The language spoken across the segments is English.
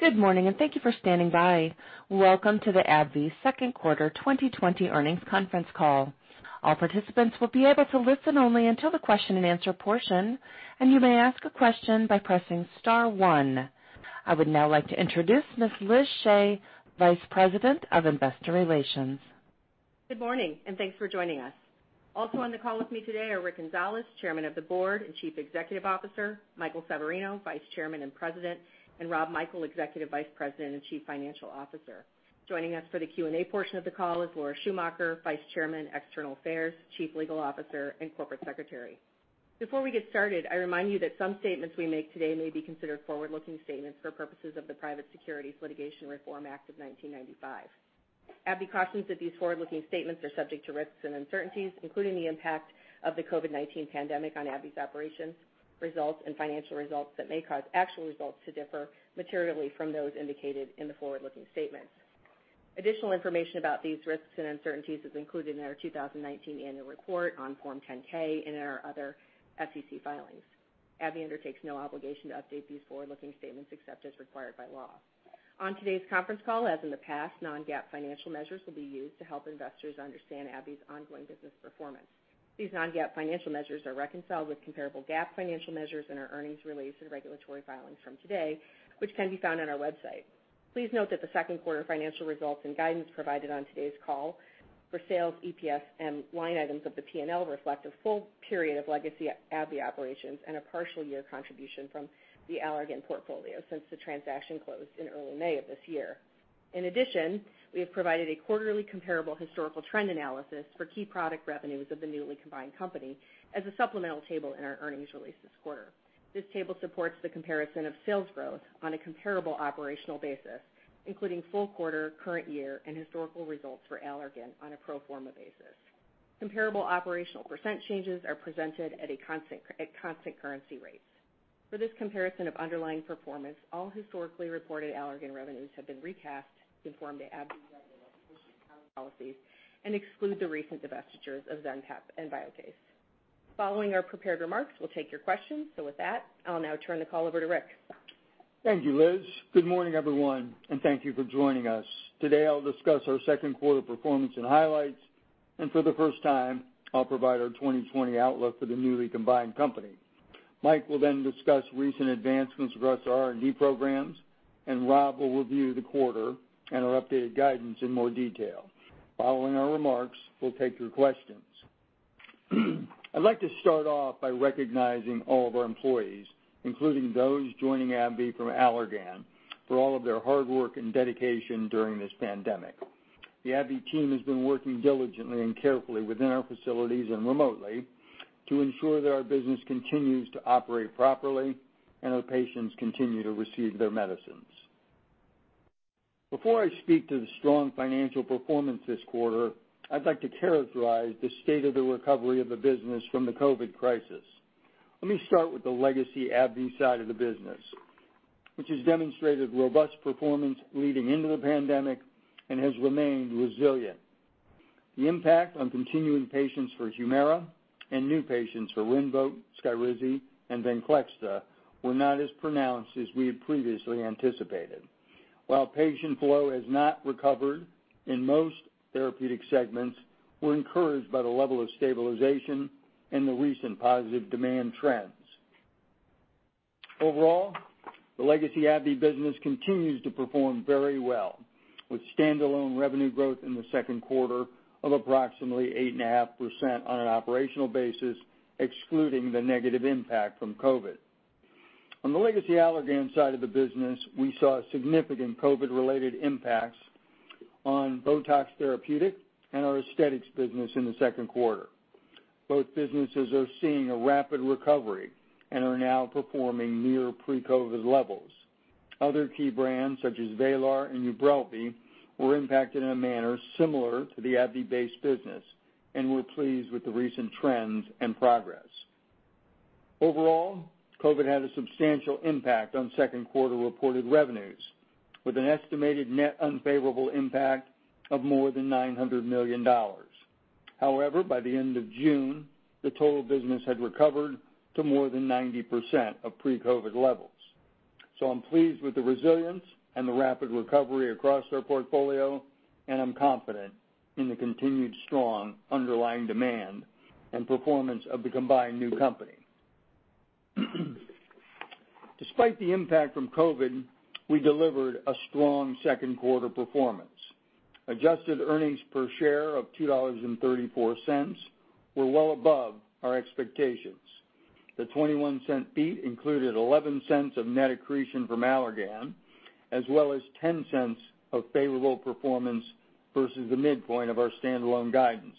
Good morning. Thank you for standing by. Welcome to the AbbVie second quarter 2020 earnings conference call. All participants will be able to listen only until the question and answer portion, and you may ask a question by pressing star one. I would now like to introduce Ms. Liz Shea, Vice President of Investor Relations. Good morning, and thanks for joining us. Also on the call with me today are Rick Gonzalez, Chairman of the Board and Chief Executive Officer, Michael Severino, Vice Chairman and President, and Rob Michael, Executive Vice President and Chief Financial Officer. Joining us for the Q&A portion of the call is Laura Schumacher, Vice Chairman, External Affairs, Chief Legal Officer, and Corporate Secretary. Before we get started, I remind you that some statements we make today may be considered forward-looking statements for purposes of the Private Securities Litigation Reform Act of 1995. AbbVie cautions that these forward-looking statements are subject to risks and uncertainties, including the impact of the COVID-19 pandemic on AbbVie's operations, results, and financial results that may cause actual results to differ materially from those indicated in the forward-looking statements. Additional information about these risks and uncertainties is included in our 2019 annual report on Form 10-K and in our other SEC filings. AbbVie undertakes no obligation to update these forward-looking statements except as required by law. On today's conference call, as in the past, non-GAAP financial measures will be used to help investors understand AbbVie's ongoing business performance. These non-GAAP financial measures are reconciled with comparable GAAP financial measures in our earnings release and regulatory filings from today, which can be found on our website. Please note that the second quarter financial results and guidance provided on today's call for sales, EPS, and line items of the P&L reflect a full period of legacy AbbVie operations and a partial year contribution from the Allergan portfolio since the transaction closed in early May of this year. We have provided a quarterly comparable historical trend analysis for key product revenues of the newly combined company as a supplemental table in our earnings release this quarter. This table supports the comparison of sales growth on a comparable operational basis, including full quarter, current year, and historical results for Allergan on a pro forma basis. Comparable operational percent changes are presented at constant currency rates. For this comparison of underlying performance, all historically reported Allergan revenues have been recast to conform to AbbVie's revenue recognition account policies and exclude the recent divestitures of Zenpep and Viokace. Following our prepared remarks, we'll take your questions. With that, I'll now turn the call over to Rick. Thank you, Liz. Good morning, everyone. Thank you for joining us. Today, I'll discuss our second quarter performance and highlights. For the first time, I'll provide our 2020 outlook for the newly combined company. Mike will discuss recent advancements across our R&D programs. Rob will review the quarter and our updated guidance in more detail. Following our remarks, we'll take your questions. I'd like to start off by recognizing all of our employees, including those joining AbbVie from Allergan, for all of their hard work and dedication during this pandemic. The AbbVie team has been working diligently and carefully within our facilities and remotely to ensure that our business continues to operate properly and our patients continue to receive their medicines. Before I speak to the strong financial performance this quarter, I'd like to characterize the state of the recovery of the business from the COVID crisis. Let me start with the legacy AbbVie side of the business, which has demonstrated robust performance leading into the pandemic and has remained resilient. The impact on continuing patients for HUMIRA and new patients for RINVOQ, SKYRIZI, and VENCLEXTA were not as pronounced as we had previously anticipated. While patient flow has not recovered in most therapeutic segments, we're encouraged by the level of stabilization and the recent positive demand trends. Overall, the legacy AbbVie business continues to perform very well, with standalone revenue growth in the second quarter of approximately 8.5% on an operational basis, excluding the negative impact from COVID. On the legacy Allergan side of the business, we saw significant COVID-related impacts on BOTOX Therapeutic and our aesthetics business in the second quarter. Both businesses are seeing a rapid recovery and are now performing near pre-COVID levels. Other key brands, such as VRAYLAR and UBRELVY, were impacted in a manner similar to the AbbVie-based business. We're pleased with the recent trends and progress. Overall, COVID had a substantial impact on second quarter reported revenues, with an estimated net unfavorable impact of more than $900 million. By the end of June, the total business had recovered to more than 90% of pre-COVID levels. I'm pleased with the resilience and the rapid recovery across our portfolio, and I'm confident in the continued strong underlying demand and performance of the combined new company. Despite the impact from COVID, we delivered a strong second quarter performance. Adjusted earnings per share of $2.34 were well above our expectations. The $0.21 beat included $0.11 of net accretion from Allergan, as well as $0.10 of favorable performance versus the midpoint of our standalone guidance.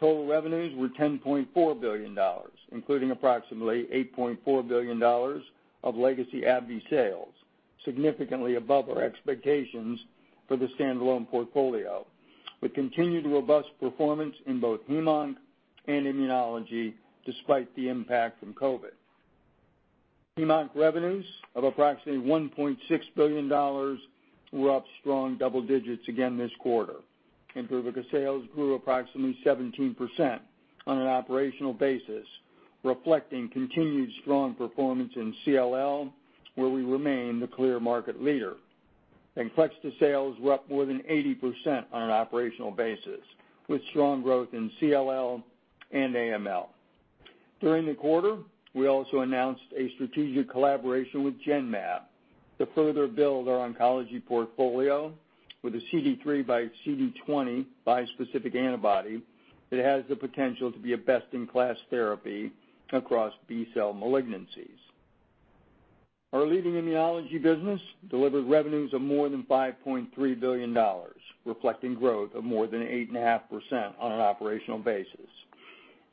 Total revenues were $10.4 billion, including approximately $8.4 billion of legacy AbbVie sales, significantly above our expectations for the standalone portfolio, with continued robust performance in both hem-onc and immunology despite the impact from COVID. Hem-onc revenues of approximately $1.6 billion were up strong double digits again this quarter. IMBRUVICA sales grew approximately 17% on an operational basis, reflecting continued strong performance in CLL, where we remain the clear market leader. VENCLEXTA sales were up more than 80% on an operational basis, with strong growth in CLL and AML. During the quarter, we also announced a strategic collaboration with Genmab to further build our oncology portfolio with a CD3 by CD20 bispecific antibody that has the potential to be a best-in-class therapy across B-cell malignancies. Our leading immunology business delivered revenues of more than $5.3 billion, reflecting growth of more than 8.5% on an operational basis.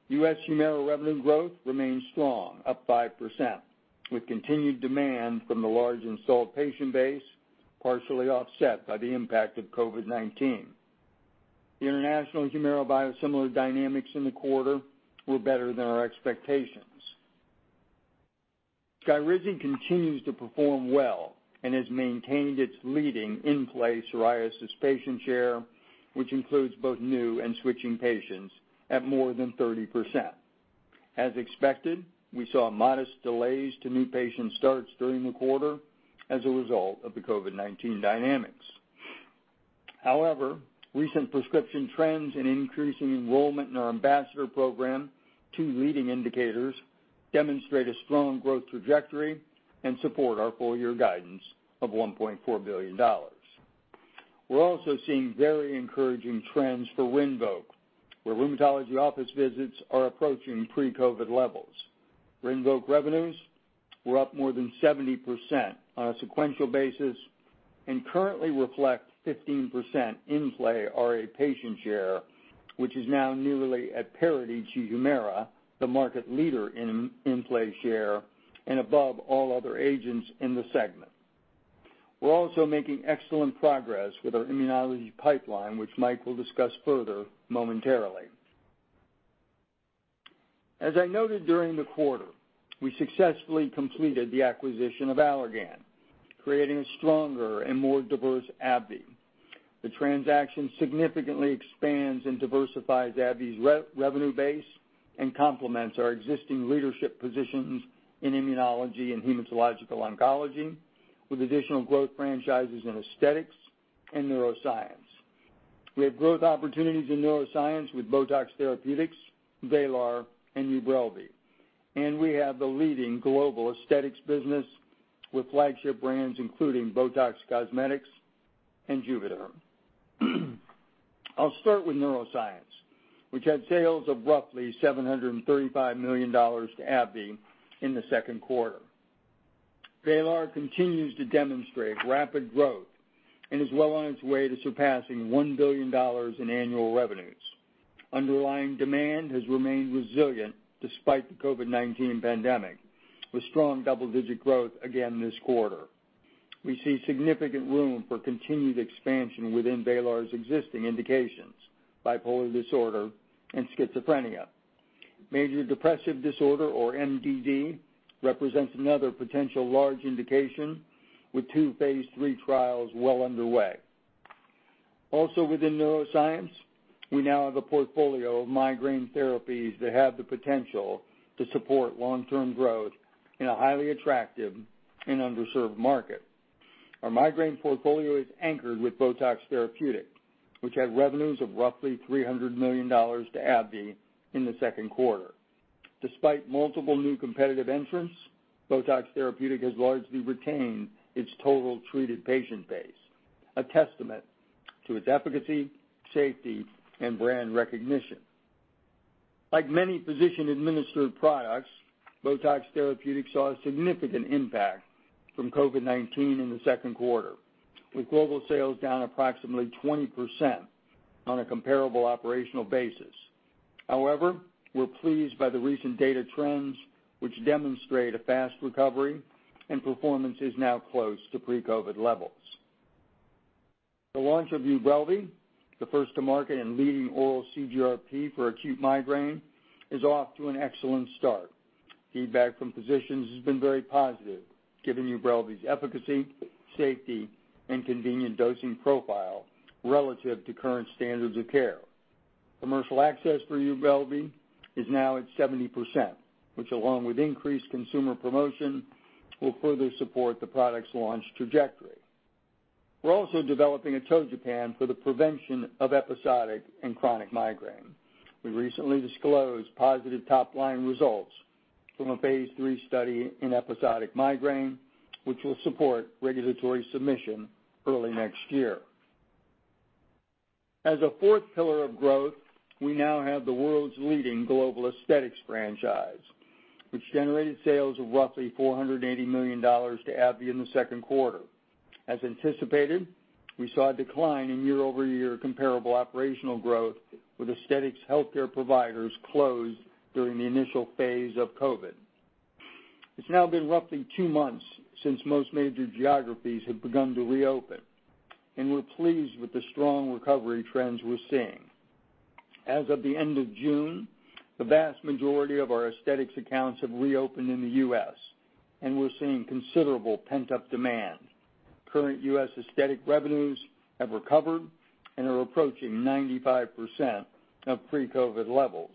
U.S. HUMIRA revenue growth remains strong, up 5%, with continued demand from the large installed patient base, partially offset by the impact of COVID-19. The international HUMIRA biosimilar dynamics in the quarter were better than our expectations. SKYRIZI continues to perform well and has maintained its leading in-play psoriasis patient share, which includes both new and switching patients at more than 30%. As expected, we saw modest delays to new patient starts during the quarter as a result of the COVID-19 dynamics. Recent prescription trends and increasing enrollment in our ambassador program, two leading indicators, demonstrate a strong growth trajectory and support our full year guidance of $1.4 billion. We're also seeing very encouraging trends for RINVOQ, where rheumatology office visits are approaching pre-COVID levels. RINVOQ revenues were up more than 70% on a sequential basis and currently reflect 15% in-play RA patient share, which is now nearly at parity to HUMIRA, the market leader in in-play share and above all other agents in the segment. We're also making excellent progress with our immunology pipeline, which Mike will discuss further momentarily. As I noted during the quarter, I successfully completed the acquisition of Allergan, creating a stronger and more diverse AbbVie. The transaction significantly expands and diversifies AbbVie's revenue base and complements our existing leadership positions in immunology and hematological oncology, with additional growth franchises in aesthetics and neuroscience. We have growth opportunities in neuroscience with BOTOX Therapeutic, VRAYLAR, and UBRELVY, and we have the leading global aesthetics business with flagship brands including BOTOX Cosmetic and JUVÉDERM. I'll start with neuroscience, which had sales of roughly $735 million to AbbVie in the second quarter. VRAYLAR continues to demonstrate rapid growth and is well on its way to surpassing $1 billion in annual revenues. Underlying demand has remained resilient despite the COVID-19 pandemic, with strong double-digit growth again this quarter. We see significant room for continued expansion within VRAYLAR's existing indications, bipolar disorder and schizophrenia. major depressive disorder, or MDD, represents another potential large indication, with two phase III trials well underway. Within neuroscience, we now have a portfolio of migraine therapies that have the potential to support long-term growth in a highly attractive and underserved market. Our migraine portfolio is anchored with BOTOX Therapeutic, which had revenues of roughly $300 million to AbbVie in the second quarter. Despite multiple new competitive entrants, BOTOX Therapeutic has largely retained its total treated patient base, a testament to its efficacy, safety, and brand recognition. Like many physician-administered products, BOTOX Therapeutic saw a significant impact from COVID-19 in the second quarter, with global sales down approximately 20% on a comparable operational basis. However, we're pleased by the recent data trends, which demonstrate a fast recovery and performance is now close to pre-COVID levels. The launch of UBRELVY, the first to market and leading oral CGRP for acute migraine, is off to an excellent start. Feedback from physicians has been very positive, given UBRELVY's efficacy, safety, and convenient dosing profile relative to current standards of care. Commercial access for UBRELVY is now at 70%, which, along with increased consumer promotion, will further support the product's launch trajectory. We're also developing atogepant for the prevention of episodic and chronic migraine. We recently disclosed positive top-line results from a phase III study in episodic migraine, which will support regulatory submission early next year. As a fourth pillar of growth, we now have the world's leading global aesthetics franchise, which generated sales of roughly $480 million to AbbVie in the second quarter. As anticipated, we saw a decline in year-over-year comparable operational growth, with aesthetics healthcare providers closed during the initial phase of COVID. It's now been roughly two months since most major geographies have begun to reopen, and we're pleased with the strong recovery trends we're seeing. As of the end of June, the vast majority of our aesthetics accounts have reopened in the U.S., and we're seeing considerable pent-up demand. Current U.S. aesthetic revenues have recovered and are approaching 95% of pre-COVID levels.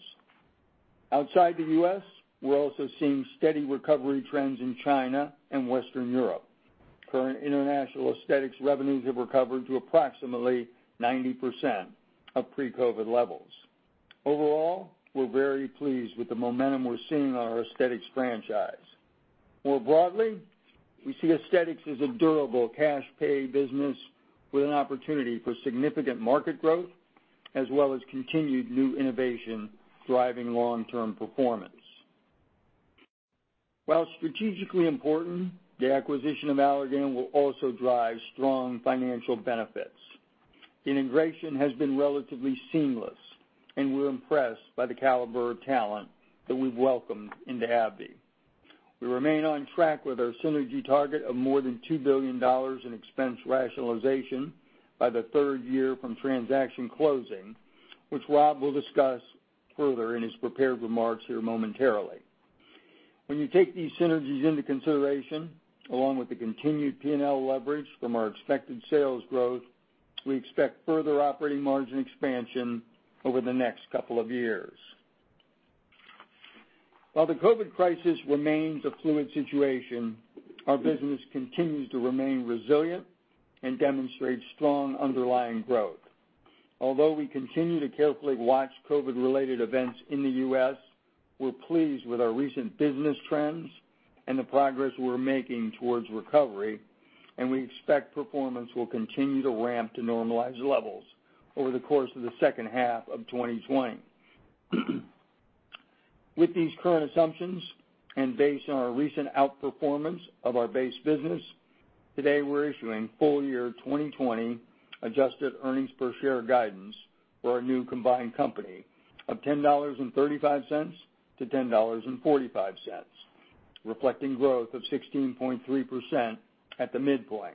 Outside the U.S., we're also seeing steady recovery trends in China and Western Europe. Current international aesthetics revenues have recovered to approximately 90% of pre-COVID levels. Overall, we're very pleased with the momentum we're seeing in our aesthetics franchise. More broadly, we see aesthetics as a durable cash pay business with an opportunity for significant market growth, as well as continued new innovation driving long-term performance. While strategically important, the acquisition of Allergan will also drive strong financial benefits. The integration has been relatively seamless, and we're impressed by the caliber of talent that we've welcomed into AbbVie. We remain on track with our synergy target of more than $2 billion in expense rationalization by the third year from transaction closing, which Rob will discuss further in his prepared remarks here momentarily. When you take these synergies into consideration, along with the continued P&L leverage from our expected sales growth, we expect further operating margin expansion over the next couple of years. While the COVID crisis remains a fluid situation, our business continues to remain resilient and demonstrate strong underlying growth. Although we continue to carefully watch COVID-related events in the U.S., we're pleased with our recent business trends and the progress we're making towards recovery, and we expect performance will continue to ramp to normalized levels over the course of the second half of 2020. With these current assumptions and based on our recent outperformance of our base business, today we're issuing full year 2020 adjusted earnings per share guidance for our new combined company of $10.35-$10.45, reflecting growth of 16.3% at the midpoint.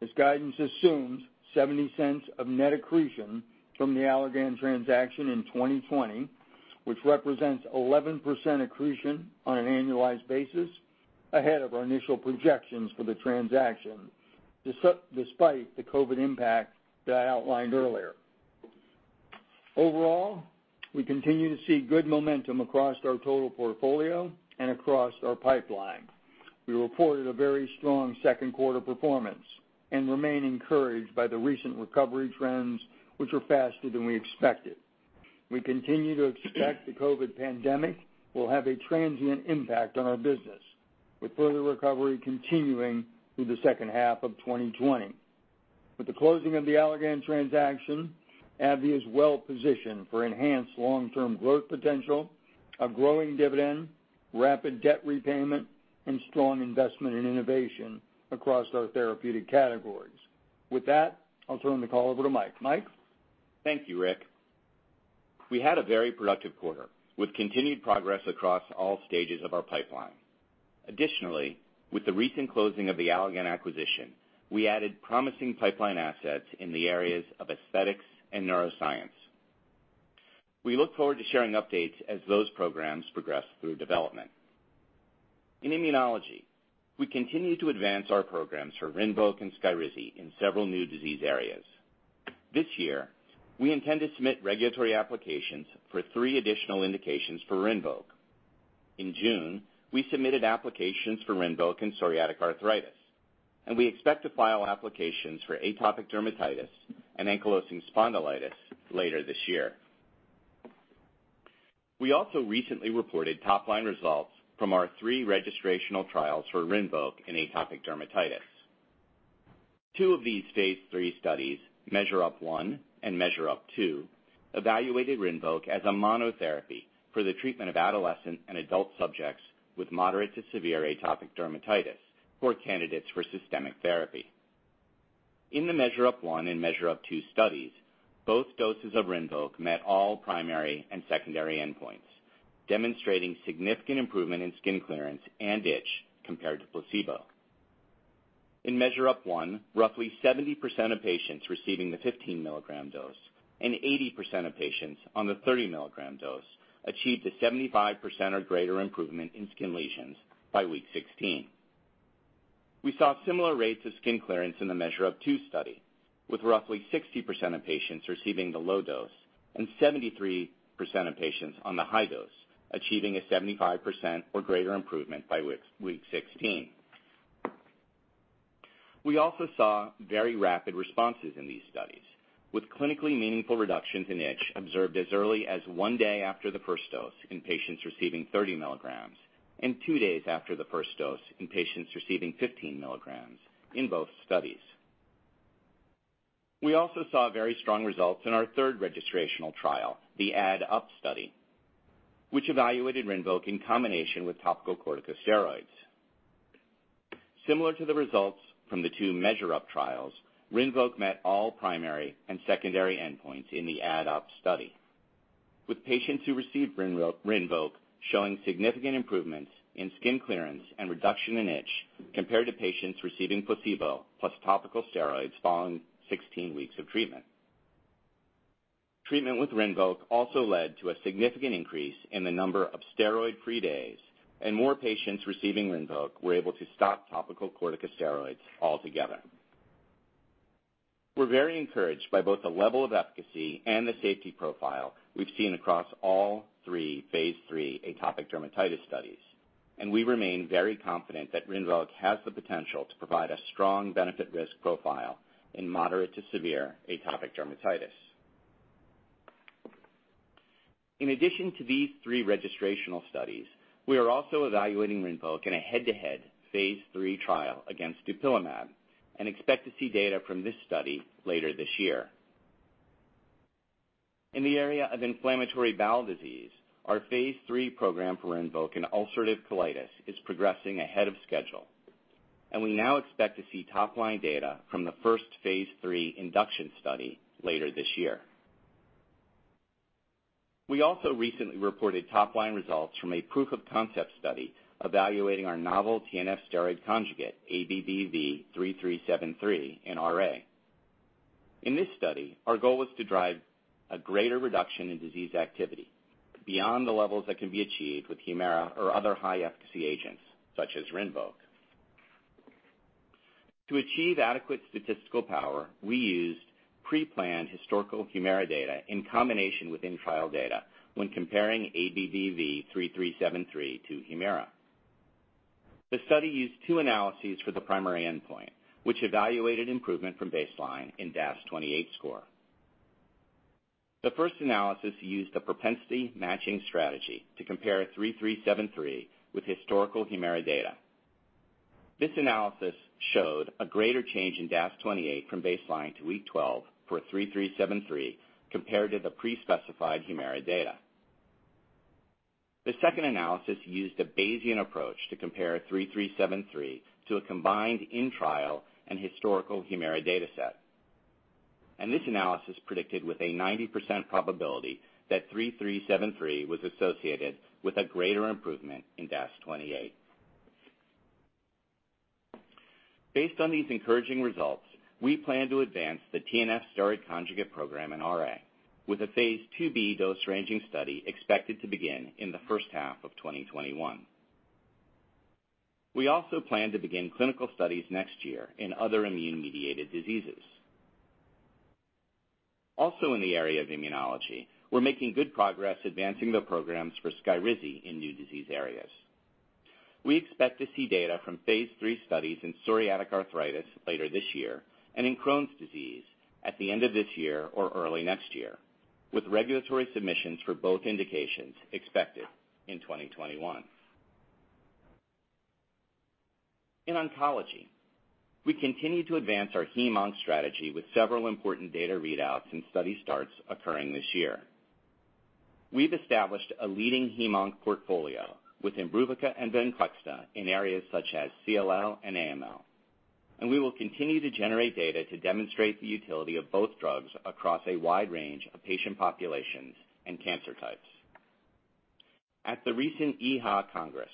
This guidance assumes $0.70 of net accretion from the Allergan transaction in 2020, which represents 11% accretion on an annualized basis, ahead of our initial projections for the transaction, despite the COVID impact that I outlined earlier. Overall, we continue to see good momentum across our total portfolio and across our pipeline. We reported a very strong second quarter performance and remain encouraged by the recent recovery trends, which were faster than we expected. We continue to expect the COVID pandemic will have a transient impact on our business, with further recovery continuing through the second half of 2020. With the closing of the Allergan transaction, AbbVie is well positioned for enhanced long-term growth potential, a growing dividend, rapid debt repayment, and strong investment in innovation across our therapeutic categories. With that, I'll turn the call over to Mike. Mike? Thank you, Rick. We had a very productive quarter with continued progress across all stages of our pipeline. Additionally, with the recent closing of the Allergan acquisition, we added promising pipeline assets in the areas of aesthetics and neuroscience. We look forward to sharing updates as those programs progress through development. In immunology, we continue to advance our programs for RINVOQ and SKYRIZI in several new disease areas. This year, we intend to submit regulatory applications for three additional indications for RINVOQ. In June, we submitted applications for RINVOQ and psoriatic arthritis, and we expect to file applications for atopic dermatitis and ankylosing spondylitis later this year. We also recently reported top-line results from our three registrational trials for RINVOQ in atopic dermatitis. Two of these phase III studies, MEASURE UP 1 and MEASURE UP 2, evaluated RINVOQ as a monotherapy for the treatment of adolescent and adult subjects with moderate to severe atopic dermatitis, poor candidates for systemic therapy. In the MEASURE UP 1 and MEASURE UP 2 studies, both doses of RINVOQ met all primary and secondary endpoints, demonstrating significant improvement in skin clearance and itch compared to placebo. In MEASURE UP 1, roughly 70% of patients receiving the 15 mg dose and 80% of patients on the 30 mg dose achieved a 75% or greater improvement in skin lesions by week 16. We saw similar rates of skin clearance in the MEASURE UP 2 study, with roughly 60% of patients receiving the low dose and 73% of patients on the high dose achieving a 75% or greater improvement by week 16. We also saw very rapid responses in these studies, with clinically meaningful reductions in itch observed as early as one day after the first dose in patients receiving 30 mg and two days after the first dose in patients receiving 15 mg in both studies. We also saw very strong results in our third registrational trial, the AD Up study, which evaluated RINVOQ in combination with topical corticosteroids. Similar to the results from the two Measure Up trials, RINVOQ met all primary and secondary endpoints in the AD Up study. With patients who received RINVOQ showing significant improvements in skin clearance and reduction in itch compared to patients receiving placebo plus topical steroids following 16 weeks of treatment. Treatment with RINVOQ also led to a significant increase in the number of steroid-free days. More patients receiving RINVOQ were able to stop topical corticosteroids altogether. We're very encouraged by both the level of efficacy and the safety profile we've seen across all three phase III atopic dermatitis studies, and we remain very confident that RINVOQ has the potential to provide a strong benefit/risk profile in moderate to severe atopic dermatitis. In addition to these three registrational studies, we are also evaluating RINVOQ in a head-to-head phase III trial against dupilumab and expect to see data from this study later this year. In the area of inflammatory bowel disease, our phase III program for RINVOQ in ulcerative colitis is progressing ahead of schedule, and we now expect to see top-line data from the first phase III induction study later this year. We also recently reported top-line results from a proof of concept study evaluating our novel TNF steroid conjugate, ABBV-3373, in RA. In this study, our goal was to drive a greater reduction in disease activity beyond the levels that can be achieved with HUMIRA or other high-efficacy agents such as RINVOQ. To achieve adequate statistical power, we used pre-planned historical HUMIRA data in combination with in-trial data when comparing ABBV-3373 to HUMIRA. The study used two analyses for the primary endpoint, which evaluated improvement from baseline in DAS28 score. The first analysis used a propensity-matching strategy to compare 3373 with historical HUMIRA data. This analysis showed a greater change in DAS28 from baseline to week 12 for 3373 compared to the pre-specified HUMIRA data. The second analysis used a Bayesian approach to compare 3373 to a combined in-trial and historical HUMIRA data set, and this analysis predicted with a 90% probability that 3373 was associated with a greater improvement in DAS28. Based on these encouraging results, we plan to advance the TNF steroid conjugate program in RA with a phase II-B dose-ranging study expected to begin in the first half of 2021. We also plan to begin clinical studies next year in other immune-mediated diseases. In the area of immunology, we're making good progress advancing the programs for SKYRIZI in new disease areas. We expect to see data from phase III studies in psoriatic arthritis later this year and in Crohn's disease at the end of this year or early next year, with regulatory submissions for both indications expected in 2021. In oncology, we continue to advance our hem-onc strategy with several important data readouts and study starts occurring this year. We've established a leading hem-onc portfolio with IMBRUVICA and VENCLEXTA in areas such as CLL and AML. We will continue to generate data to demonstrate the utility of both drugs across a wide range of patient populations and cancer types. At the recent EHA Congress,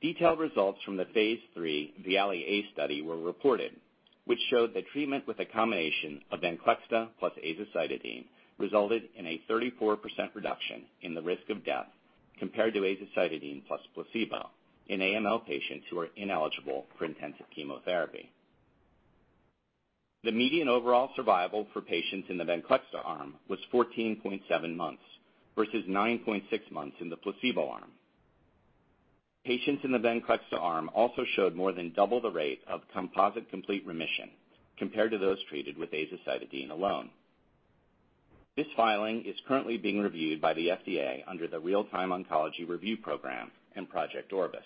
detailed results from the phase III VIALE-A study were reported, which showed that treatment with a combination of VENCLEXTA plus azacitidine resulted in a 34% reduction in the risk of death compared to azacitidine plus placebo in AML patients who are ineligible for intensive chemotherapy. The median overall survival for patients in the VENCLEXTA arm was 14.7 months versus 9.6 months in the placebo arm. Patients in the VENCLEXTA arm also showed more than double the rate of composite complete remission compared to those treated with azacitidine alone. This filing is currently being reviewed by the FDA under the Real-Time Oncology Review program in Project Orbis.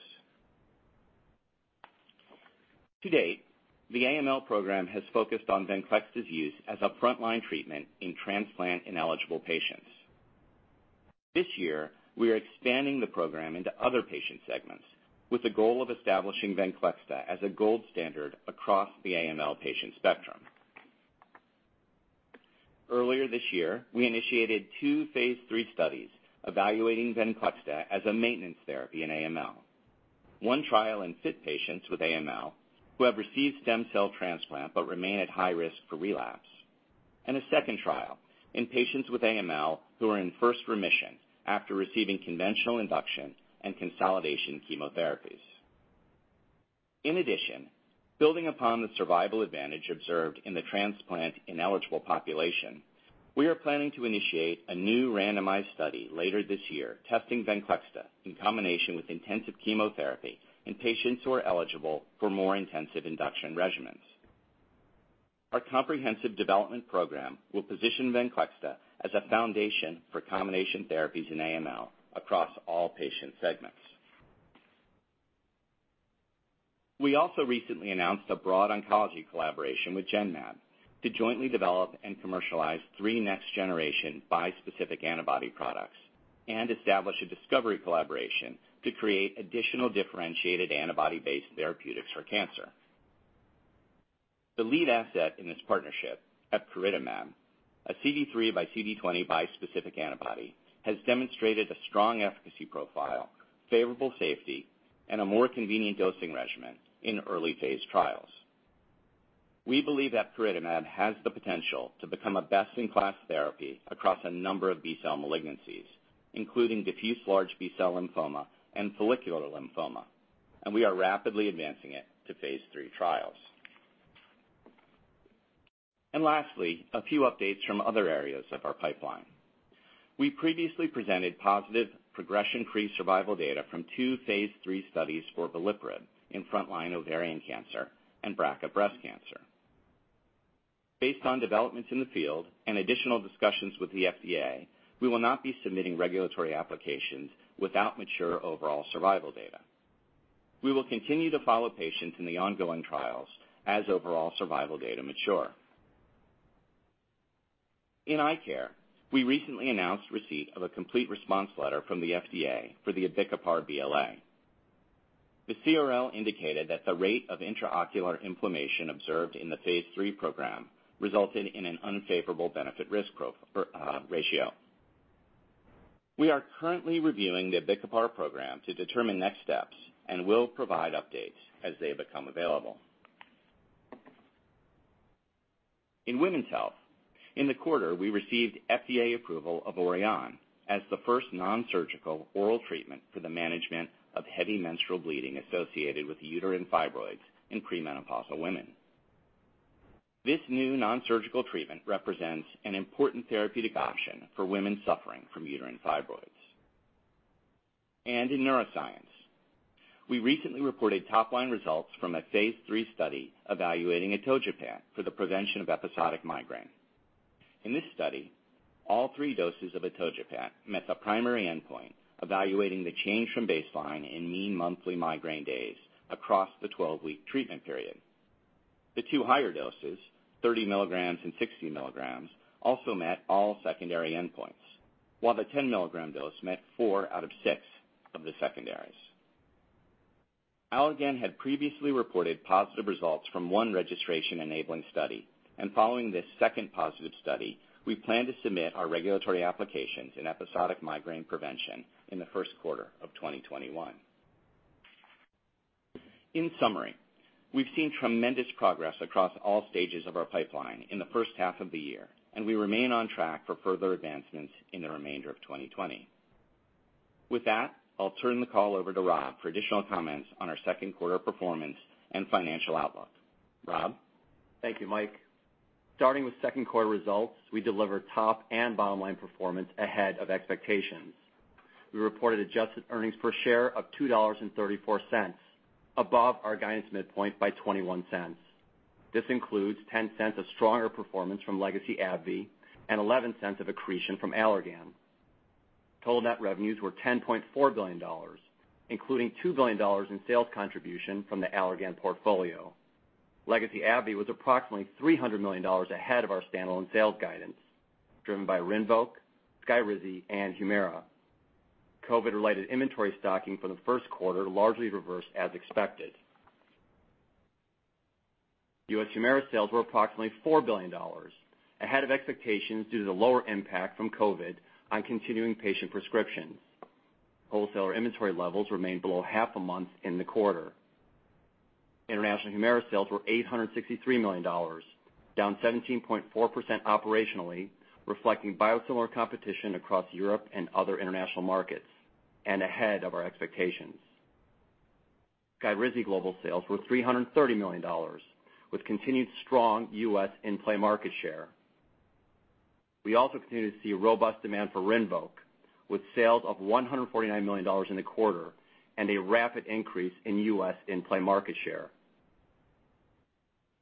To date, the AML program has focused on VENCLEXTA's use as a frontline treatment in transplant-ineligible patients. This year, we are expanding the program into other patient segments with the goal of establishing VENCLEXTA as a gold standard across the AML patient spectrum. Earlier this year, we initiated two phase III studies evaluating VENCLEXTA as a maintenance therapy in AML. One trial in fit patients with AML who have received stem cell transplant but remain at high risk for relapse, and a second trial in patients with AML who are in first remission after receiving conventional induction and consolidation chemotherapies. Building upon the survival advantage observed in the transplant-ineligible population, we are planning to initiate a new randomized study later this year testing VENCLEXTA in combination with intensive chemotherapy in patients who are eligible for more intensive induction regimens. Our comprehensive development program will position VENCLEXTA as a foundation for combination therapies in AML across all patient segments. We also recently announced a broad oncology collaboration with Genmab to jointly develop and commercialize three next-generation bispecific antibody products and establish a discovery collaboration to create additional differentiated antibody-based therapeutics for cancer. The lead asset in this partnership, epcoritamab, a CD3 by CD20 bispecific antibody, has demonstrated a strong efficacy profile, favorable safety, and a more convenient dosing regimen in early phase trials. We believe epcoritamab has the potential to become a best-in-class therapy across a number of B-cell malignancies, including diffuse large B-cell lymphoma and follicular lymphoma, and we are rapidly advancing it to phase III trials. Lastly, a few updates from other areas of our pipeline. We previously presented positive progression-free survival data from two phase III studies for veliparib in frontline ovarian cancer and BRCA breast cancer. Based on developments in the field and additional discussions with the FDA, we will not be submitting regulatory applications without mature overall survival data. We will continue to follow patients in the ongoing trials as overall survival data mature. In eye care, we recently announced receipt of a complete response letter from the FDA for the abicipar BLA. The CRL indicated that the rate of intraocular inflammation observed in the phase III program resulted in an unfavorable benefit/risk ratio. We are currently reviewing the abicipar program to determine next steps and will provide updates as they become available. In women's health, in the quarter, we received FDA approval of ORIAHNN as the first non-surgical oral treatment for the management of heavy menstrual bleeding associated with uterine fibroids in premenopausal women. This new non-surgical treatment represents an important therapeutic option for women suffering from uterine fibroids. In neuroscience, we recently reported top-line results from a phase III study evaluating atogepant for the prevention of episodic migraine. In this study, all three doses of atogepant met the primary endpoint evaluating the change from baseline in mean monthly migraine days across the 12 week treatment period. The two higher doses, 30 mg and 60 mg, also met all secondary endpoints, while the 10 mg dose met four out of six of the secondaries. Allergan had previously reported positive results from one registration-enabling study. Following this second positive study, we plan to submit our regulatory applications in episodic migraine prevention in the first quarter of 2021. In summary, we've seen tremendous progress across all stages of our pipeline in the first half of the year, and we remain on track for further advancements in the remainder of 2020. With that, I'll turn the call over to Rob for additional comments on our second quarter performance and financial outlook. Rob? Thank you, Mike. Starting with second quarter results, we delivered top and bottom-line performance ahead of expectations. We reported adjusted earnings per share of $2.34, above our guidance midpoint by $0.21. This includes $0.10 of stronger performance from legacy AbbVie and $0.11 of accretion from Allergan. Total net revenues were $10.4 billion, including $2 billion in sales contribution from the Allergan portfolio. Legacy AbbVie was approximately $300 million ahead of our standalone sales guidance, driven by RINVOQ, SKYRIZI, and HUMIRA. COVID-related inventory stocking for the first quarter largely reversed as expected. U.S. HUMIRA sales were approximately $4 billion, ahead of expectations due to the lower impact from COVID on continuing patient prescriptions. Wholesaler inventory levels remained below half a month in the quarter. International HUMIRA sales were $863 million, down 17.4% operationally, reflecting biosimilar competition across Europe and other international markets, ahead of our expectations. SKYRIZI global sales were $330 million, with continued strong U.S. in-play market share. We also continue to see robust demand for RINVOQ, with sales of $149 million in the quarter and a rapid increase in U.S. in-play market share.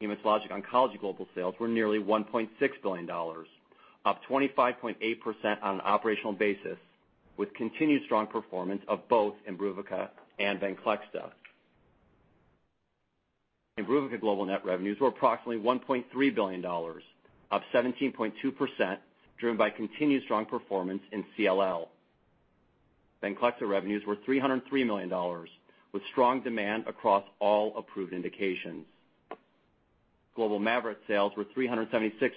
Hematologic oncology global sales were nearly $1.6 billion, up 25.8% on an operational basis, with continued strong performance of both IMBRUVICA and VENCLEXTA. IMBRUVICA global net revenues were approximately $1.3 billion, up 17.2%, driven by continued strong performance in CLL. VENCLEXTA revenues were $303 million, with strong demand across all approved indications. Global MAVYRET sales were $376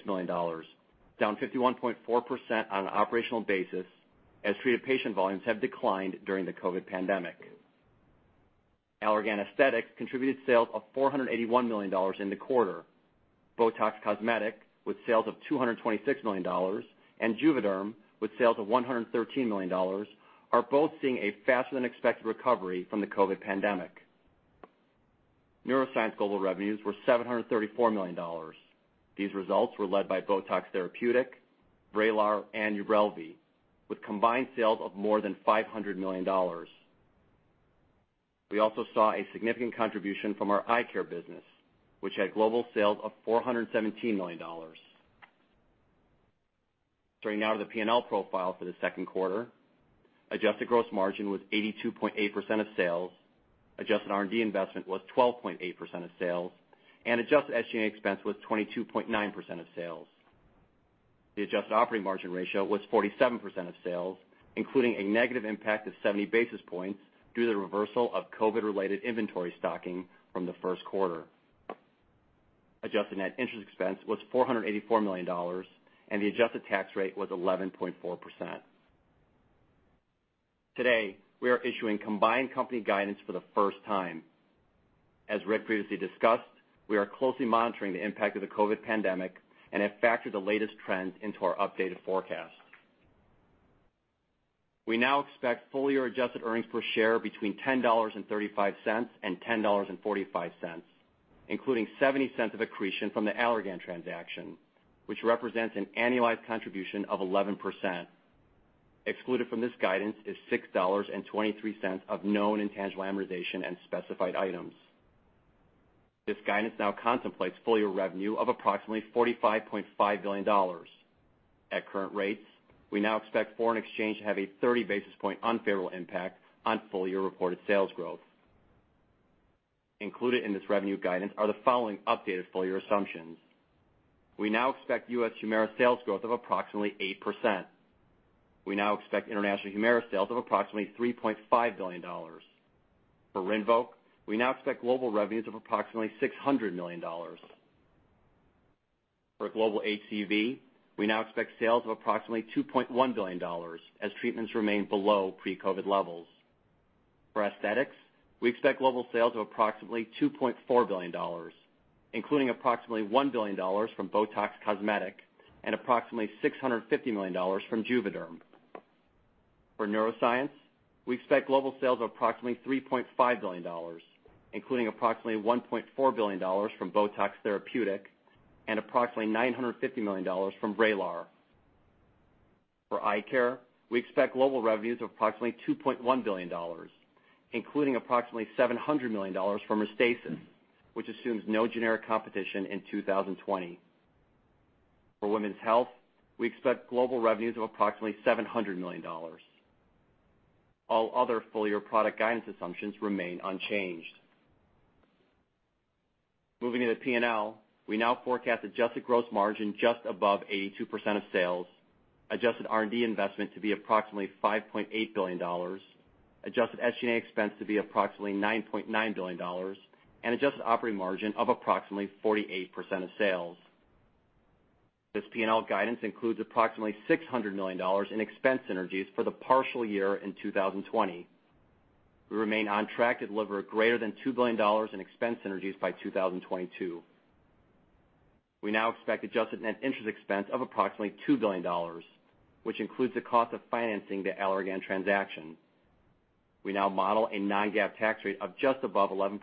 million, down 51.4% on an operational basis as treated patient volumes have declined during the COVID pandemic. Allergan Aesthetics contributed sales of $481 million in the quarter. BOTOX Cosmetic, with sales of $226 million, and JUVÉDERM, with sales of $113 million, are both seeing a faster-than-expected recovery from the COVID pandemic. Neuroscience global revenues were $734 million. These results were led by BOTOX Therapeutic, VRAYLAR, and UBRELVY, with combined sales of more than $500 million. We also saw a significant contribution from our eye care business, which had global sales of $417 million. Turning now to the P&L profile for the second quarter, adjusted gross margin was 82.8% of sales. Adjusted R&D investment was 12.8% of sales, and adjusted SG&A expense was 22.9% of sales. The adjusted operating margin ratio was 47% of sales, including a negative impact of 70 basis points due to the reversal of COVID-related inventory stocking from the first quarter. Adjusted net interest expense was $484 million, and the adjusted tax rate was 11.4%. Today, we are issuing combined company guidance for the first time. As Rick previously discussed, we are closely monitoring the impact of the COVID pandemic and have factored the latest trends into our updated forecast. We now expect full year adjusted earnings per share between $10.35 and $10.45, including $0.70 of accretion from the Allergan transaction, which represents an annualized contribution of 11%. Excluded from this guidance is $6.23 of known intangible amortization and specified items. This guidance now contemplates full year revenue of approximately $45.5 billion. At current rates, we now expect foreign exchange to have a 30 basis point unfavorable impact on full year reported sales growth. Included in this revenue guidance are the following updated full year assumptions. We now expect U.S. HUMIRA sales growth of approximately 8%. We now expect international HUMIRA sales of approximately $3.5 billion. For RINVOQ, we now expect global revenues of approximately $600 million. For global HCV, we now expect sales of approximately $2.1 billion as treatments remain below pre-COVID levels. For aesthetics, we expect global sales of approximately $2.4 billion, including approximately $1 billion from BOTOX Cosmetic and approximately $650 million from JUVÉDERM. For neuroscience, we expect global sales of approximately $3.5 billion, including approximately $1.4 billion from BOTOX Therapeutic and approximately $950 million from VRAYLAR. For eye care, we expect global revenues of approximately $2.1 billion, including approximately $700 million from RESTASIS, which assumes no generic competition in 2020. For women's health, we expect global revenues of approximately $700 million. All other full year product guidance assumptions remain unchanged. Moving into P&L, we now forecast adjusted gross margin just above 82% of sales, adjusted R&D investment to be approximately $5.8 billion, adjusted SG&A expense to be approximately $9.9 billion, and adjusted operating margin of approximately 48% of sales. This P&L guidance includes approximately $600 million in expense synergies for the partial year in 2020. We remain on track to deliver greater than $2 billion in expense synergies by 2022. We now expect adjusted net interest expense of approximately $2 billion, which includes the cost of financing the Allergan transaction. We now model a non-GAAP tax rate of just above 11%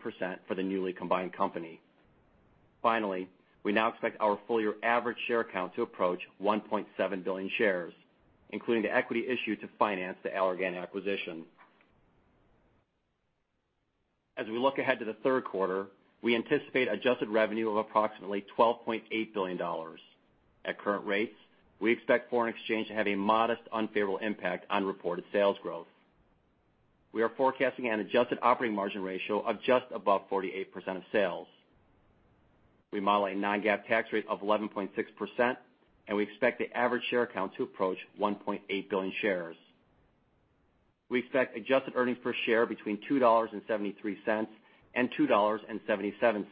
for the newly combined company. Finally, we now expect our full year average share count to approach 1.7 billion shares, including the equity issued to finance the Allergan acquisition. As we look ahead to the third quarter, we anticipate adjusted revenue of approximately $12.8 billion. At current rates, we expect foreign exchange to have a modest unfavorable impact on reported sales growth. We are forecasting an adjusted operating margin ratio of just above 48% of sales. We model a non-GAAP tax rate of 11.6%, and we expect the average share count to approach 1.8 billion shares. We expect adjusted earnings per share between $2.73 and $2.77,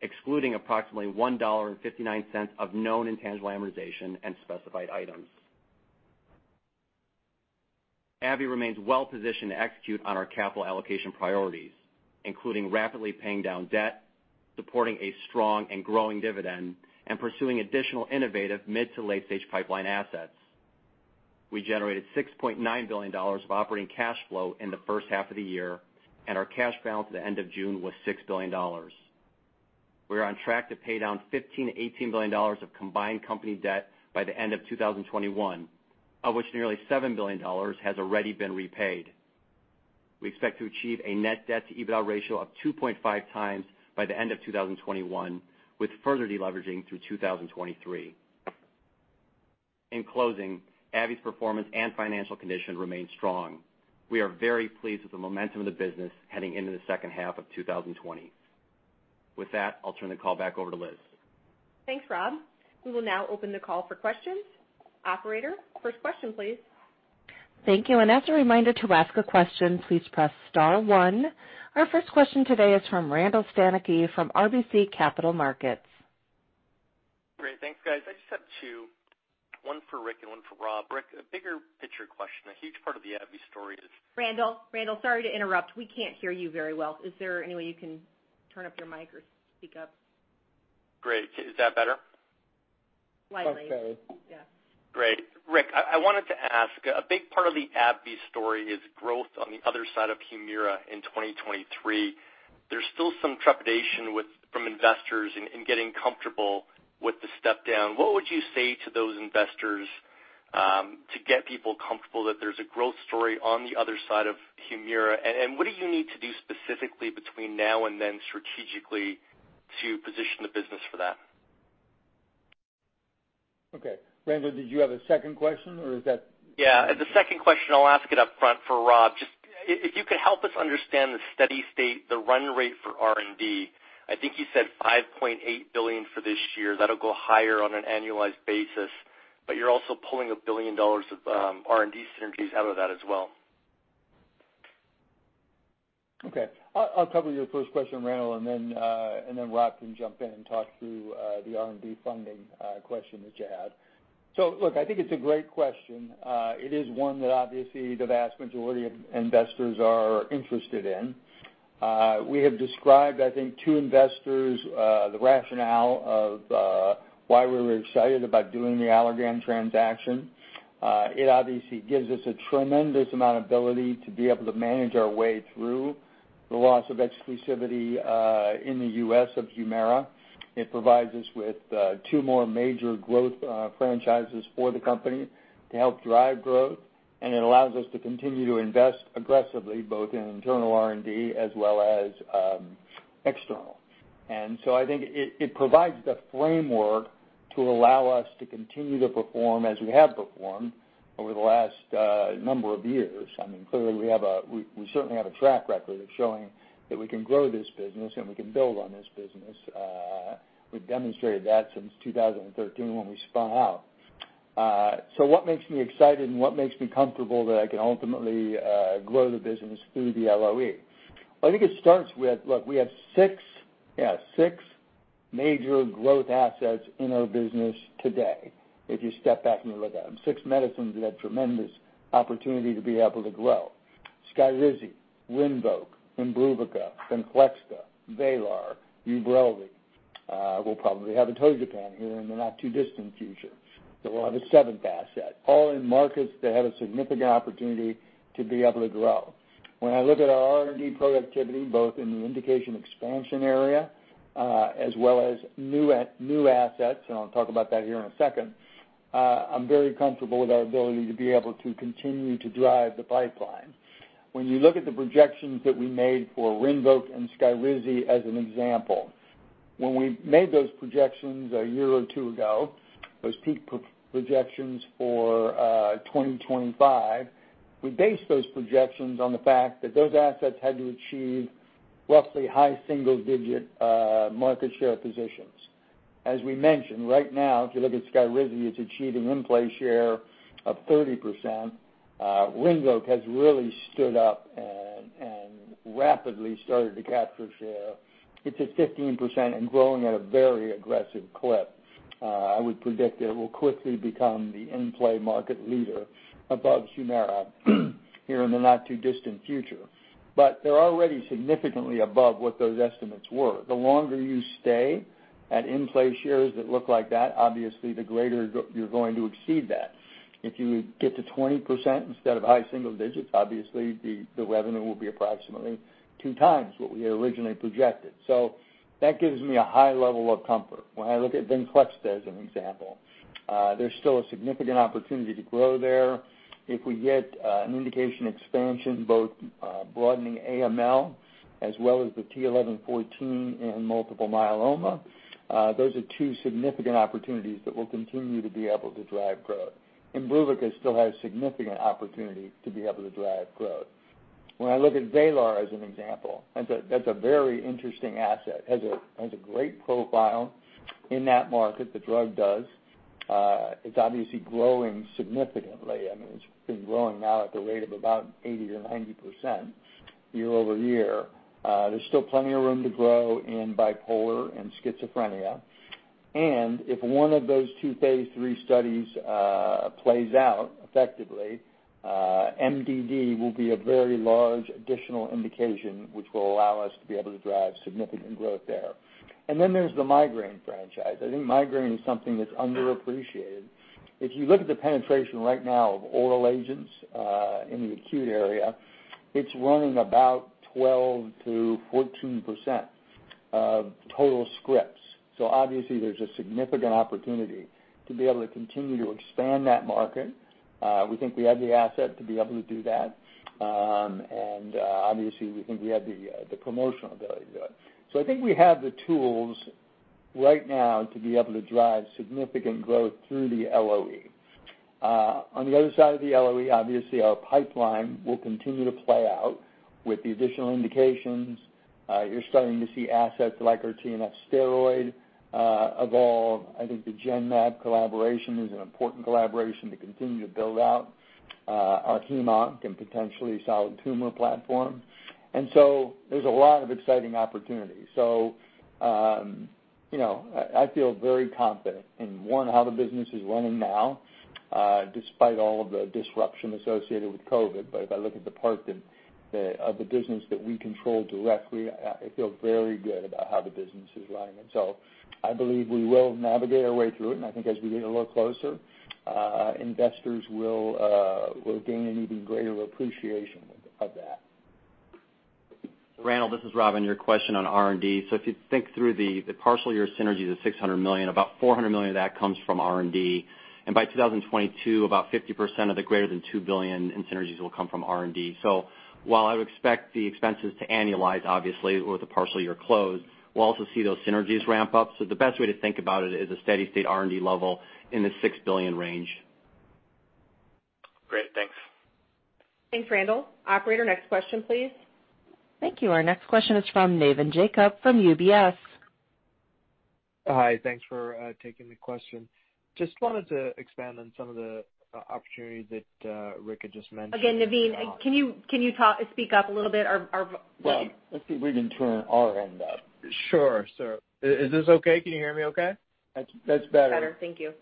excluding approximately $1.59 of known intangible amortization and specified items. AbbVie remains well-positioned to execute on our capital allocation priorities, including rapidly paying down debt, supporting a strong and growing dividend, and pursuing additional innovative mid to late-stage pipeline assets. We generated $6.9 billion of operating cash flow in the first half of the year, and our cash balance at the end of June was $6 billion. We are on track to pay down $15 billion-$18 billion of combined company debt by the end of 2021, of which nearly $7 billion has already been repaid. We expect to achieve a net debt-to-EBITDA ratio of 2.5 times by the end of 2021, with further deleveraging through 2023. In closing, AbbVie's performance and financial condition remain strong. We are very pleased with the momentum of the business heading into the second half of 2020. With that, I'll turn the call back over to Liz. Thanks, Rob. We will now open the call for questions. Operator, first question, please. Thank you. As a reminder, to ask a question, please press star one. Our first question today is from Randall Stanicky from RBC Capital Markets. Great. Thanks, guys. I just have two, one for Rick and one for Rob. Rick, a bigger picture question. A huge part of the AbbVie story is Randall, sorry to interrupt. We can't hear you very well. Is there any way you can turn up your mic or speak up? Great. Is that better? Slightly. Okay. Yeah. Great. Rick, I wanted to ask, a big part of the AbbVie story is growth on the other side of HUMIRA in 2023. There's still some trepidation from investors in getting comfortable with the step-down. What would you say to those investors, to get people comfortable that there's a growth story on the other side of HUMIRA, and what do you need to do specifically between now and then strategically to position the business for that? Okay. Randall, did you have a second question, or is that? Yeah. The second question, I'll ask it upfront for Rob. If you could help us understand the steady state, the run rate for R&D. I think you said $5.8 billion for this year. That'll go higher on an annualized basis, but you're also pulling $1 billion of R&D synergies out of that as well. Okay. I'll cover your first question, Randall, and then Rob can jump in and talk through the R&D funding question that you had. Look, I think it's a great question. It is one that obviously the vast majority of investors are interested in. We have described, I think, to investors the rationale of why we were excited about doing the Allergan transaction. It obviously gives us a tremendous amount of ability to be able to manage our way through the loss of exclusivity in the U.S. of HUMIRA. It provides us with two more major growth franchises for the company to help drive growth, and it allows us to continue to invest aggressively both in internal R&D as well as external. I think it provides the framework to allow us to continue to perform as we have performed over the last number of years. Clearly, we certainly have a track record of showing that we can grow this business, and we can build on this business. We've demonstrated that since 2013 when we spun out. What makes me excited and what makes me comfortable that I can ultimately grow the business through the LOE? I think it starts with, look, we have six major growth assets in our business today, if you step back and look at them. Six medicines that have tremendous opportunity to be able to grow. SKYRIZI, RINVOQ, IMBRUVICA, VENCLEXTA, VRAYLAR, UBRELVY. We'll probably have atogepant here in the not-too-distant future. We'll have a seventh asset, all in markets that have a significant opportunity to be able to grow. When I look at our R&D productivity, both in the indication expansion area as well as new assets, and I'll talk about that here in a second, I'm very comfortable with our ability to be able to continue to drive the pipeline. When you look at the projections that we made for RINVOQ and SKYRIZI as an example, when we made those projections a year or two ago, those peak projections for 2025, we based those projections on the fact that those assets had to achieve roughly high single digit market share positions. As we mentioned, right now, if you look at SKYRIZI, it's achieving in-play share of 30%. RINVOQ has really stood up and rapidly started to capture share. It's at 15% and growing at a very aggressive clip. I would predict it will quickly become the in-play market leader above HUMIRA here in the not-too-distant future. They're already significantly above what those estimates were. The longer you stay at in-play shares that look like that, obviously the greater you're going to exceed that. If you get to 20% instead of high single digits, obviously the revenue will be approximately two times what we had originally projected. That gives me a high level of comfort. When I look at VENCLEXTA as an example, there's still a significant opportunity to grow there. If we get an indication expansion, both broadening AML as well as the t(11;14) in multiple myeloma, those are two significant opportunities that will continue to be able to drive growth. IMBRUVICA still has significant opportunity to be able to drive growth. When I look at VRAYLAR as an example, that's a very interesting asset. Has a great profile in that market, the drug does. It's obviously growing significantly. It's been growing now at the rate of about 80%-90% year-over-year. There's still plenty of room to grow in bipolar and schizophrenia. If one of those two phase III studies plays out effectively, MDD will be a very large additional indication, which will allow us to be able to drive significant growth there. There's the migraine franchise. I think migraine is something that's underappreciated. If you look at the penetration right now of oral agents in the acute area, it's running about 12%-14% of total scripts. Obviously, there's a significant opportunity to be able to continue to expand that market. We think we have the asset to be able to do that, and obviously, we think we have the promotional ability to do it. I think we have the tools right now to be able to drive significant growth through the LOE. On the other side of the LOE, obviously our pipeline will continue to play out with the additional indications. You're starting to see assets like our TNF steroid evolve. I think the Genmab collaboration is an important collaboration to continue to build out our hem-onc and potentially solid tumor platform. There's a lot of exciting opportunities. I feel very confident in, one, how the business is running now despite all of the disruption associated with COVID-19. If I look at the part of the business that we control directly, I feel very good about how the business is running. I believe we will navigate our way through it, and I think as we get a little closer, investors will gain an even greater appreciation of that. Randall, this is Rob. Your question on R&D. If you think through the partial year synergy, the $600 million, about $400 million of that comes from R&D. By 2022, about 50% of the greater than $2 billion in synergies will come from R&D. While I would expect the expenses to annualize, obviously, with the partial year close, we'll also see those synergies ramp up. The best way to think about it is a steady state R&D level in the $6 billion range. Great. Thanks. Thanks, Randall. Operator, next question, please. Thank you. Our next question is from Navin Jacob from UBS. Hi, thanks for taking the question. Just wanted to expand on some of the opportunities that Rick had just mentioned. Again, Navin, can you speak up a little bit? Well, let's see if we can turn our end up. Sure. Is this okay? Can you hear me okay? That's better. That's better. Thank you.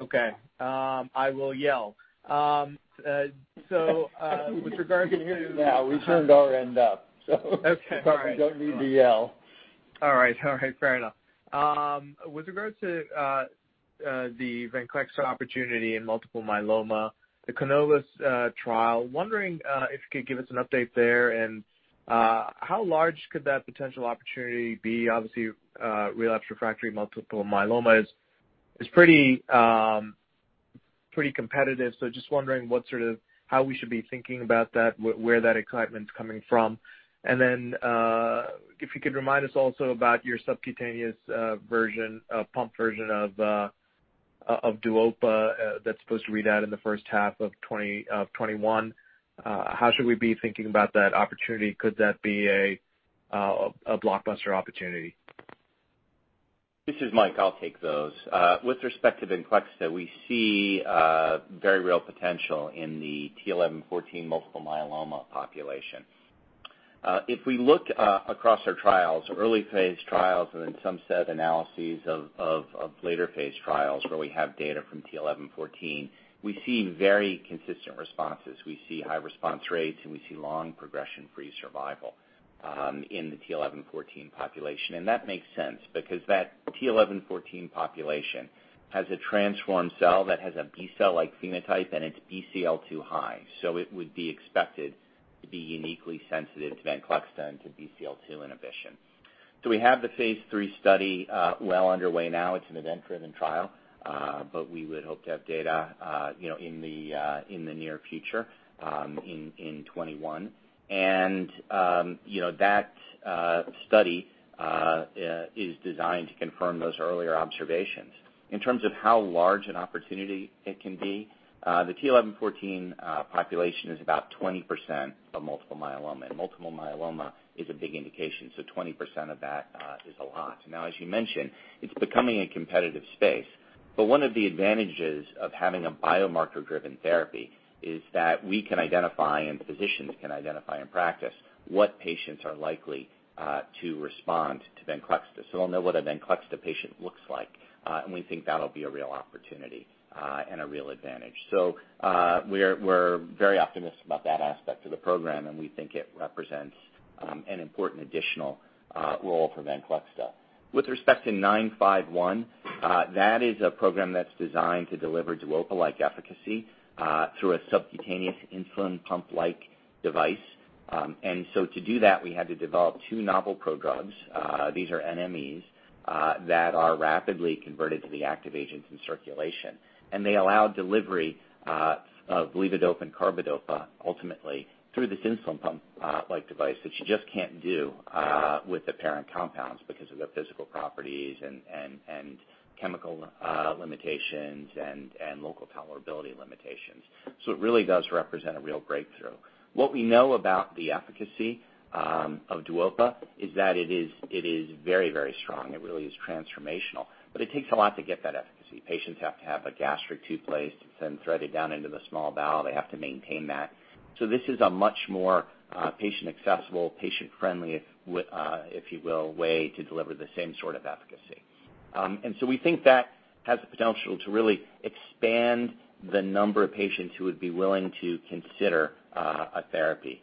Okay. I will yell. We can hear you now. We turned our end up. Okay. All right. You probably don't need to yell. All right. Fair enough. With regard to the VENCLEXTA opportunity in multiple myeloma, the CANOVA trial, wondering if you could give us an update there, how large could that potential opportunity be? Obviously, relapsed refractory multiple myeloma is pretty competitive, just wondering how we should be thinking about that, where that excitement's coming from. If you could remind us also about your subcutaneous version, pump version of DUOPA that's supposed to read out in the first half of 2021. How should we be thinking about that opportunity? Could that be a blockbuster opportunity? This is Mike. I'll take those. With respect to VENCLEXTA, we see very real potential in the t(11;14) multiple myeloma population. If we look across our trials, early phase trials, and then some set analyses of later phase trials where we have data from t(11;14), we see very consistent responses. We see high response rates, and we see long progression-free survival in the t(11;14) population. That makes sense because that t(11;14) population has a transformed cell that has a B-cell like phenotype, and it's BCL-2 high. It would be expected to be uniquely sensitive to VENCLEXTA and to BCL-2 inhibition. We have the phase III study well underway now. It's an event-driven trial. We would hope to have data in the near future, in 2021. That study is designed to confirm those earlier observations. In terms of how large an opportunity it can be, the t(11;14) population is about 20% of multiple myeloma. Multiple myeloma is a big indication, so 20% of that is a lot. Now, as you mentioned, it's becoming a competitive space. One of the advantages of having a biomarker-driven therapy is that we can identify, and physicians can identify in practice, what patients are likely to respond to VENCLEXTA. We'll know what a VENCLEXTA patient looks like, and we think that'll be a real opportunity and a real advantage. We're very optimistic about that aspect of the program, and we think it represents an important additional role for VENCLEXTA. With respect to ABBV-951, that is a program that's designed to deliver DUOPA-like efficacy through a subcutaneous insulin pump-like device. To do that, we had to develop two novel prodrugs. These are NMEs that are rapidly converted to the active agents in circulation. They allow delivery of levodopa and carbidopa ultimately through this insulin pump-like device that you just can't do with the parent compounds because of their physical properties and chemical limitations and local tolerability limitations. It really does represent a real breakthrough. What we know about the efficacy of DUOPA is that it is very strong. It really is transformational. It takes a lot to get that efficacy. Patients have to have a gastric tube placed. It's threaded down into the small bowel. They have to maintain that. This is a much more patient accessible, patient friendly, if you will, way to deliver the same sort of efficacy. We think that has the potential to really expand the number of patients who would be willing to consider a therapy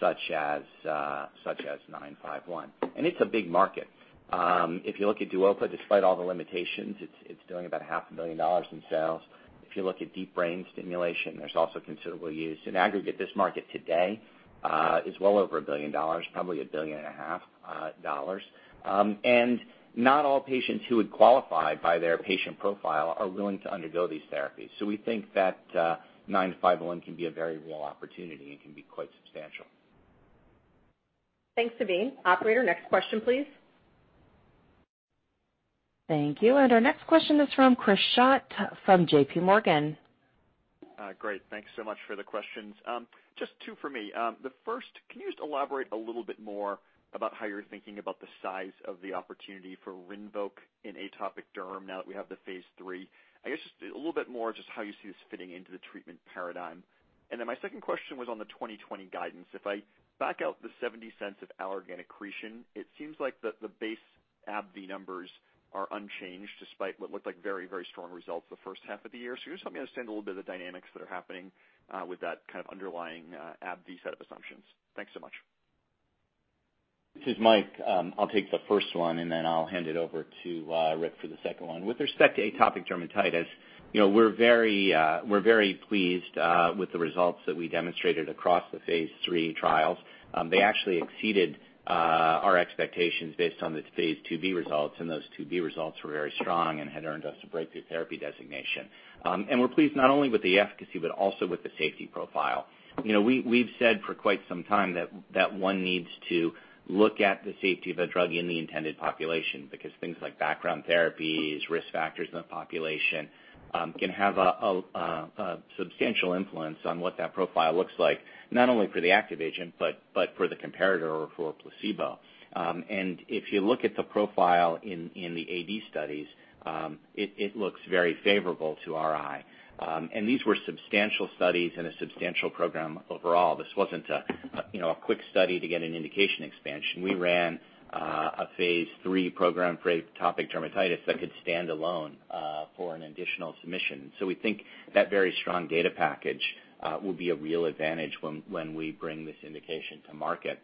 such as ABBV-951. It's a big market. If you look at DUOPA, despite all the limitations, it's doing about $0.5 billion in sales. If you look at deep brain stimulation, there's also considerable use. In aggregate, this market today is well over $1 billion, probably $1.5 billion. Not all patients who would qualify by their patient profile are willing to undergo these therapies. We think that ABBV-951 can be a very real opportunity and can be quite substantial. Thanks, Navin. Operator, next question, please. Thank you. Our next question is from Chris Schott from JPMorgan. Great. Thanks so much for the questions. Just two for me. The first, can you just elaborate a little bit more about how you're thinking about the size of the opportunity for RINVOQ in atopic derm now that we have the phase III? I guess just a little bit more, just how you see this fitting into the treatment paradigm. My second question was on the 2020 guidance. If I back out the $0.70 of Allergan accretion, it seems like the base AbbVie numbers are unchanged despite what looked like very strong results the first half of the year. Can you just help me understand a little bit of the dynamics that are happening with that kind of underlying AbbVie set of assumptions? Thanks so much. This is Mike. I'll take the first one, and then I'll hand it over to Rick for the second one. With respect to atopic dermatitis, we're very pleased with the results that we demonstrated across the phase III trials. They actually exceeded our expectations based on the phase II-B results, and those II-B results were very strong and had earned us a Breakthrough Therapy Designation. We're pleased not only with the efficacy, but also with the safety profile. We've said for quite some time that one needs to look at the safety of a drug in the intended population because things like background therapies, risk factors in the population can have a substantial influence on what that profile looks like, not only for the active agent, but for the comparator or for placebo. If you look at the profile in the AD studies, it looks very favorable to our eye. These were substantial studies and a substantial program overall. This wasn't a quick study to get an indication expansion. We ran a phase III program for atopic dermatitis that could stand alone for an additional submission. We think that very strong data package will be a real advantage when we bring this indication to market.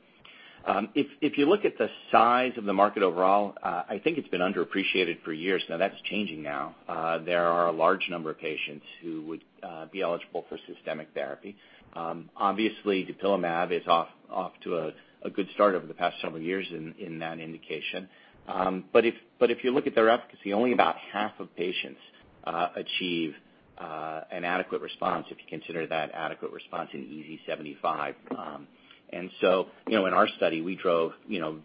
If you look at the size of the market overall, I think it's been underappreciated for years now. That's changing now. There are a large number of patients who would be eligible for systemic therapy. Obviously, dupilumab is off to a good start over the past several years in that indication. If you look at their efficacy, only about half of patients achieve an adequate response, if you consider that adequate response an EASI 75. In our study, we drove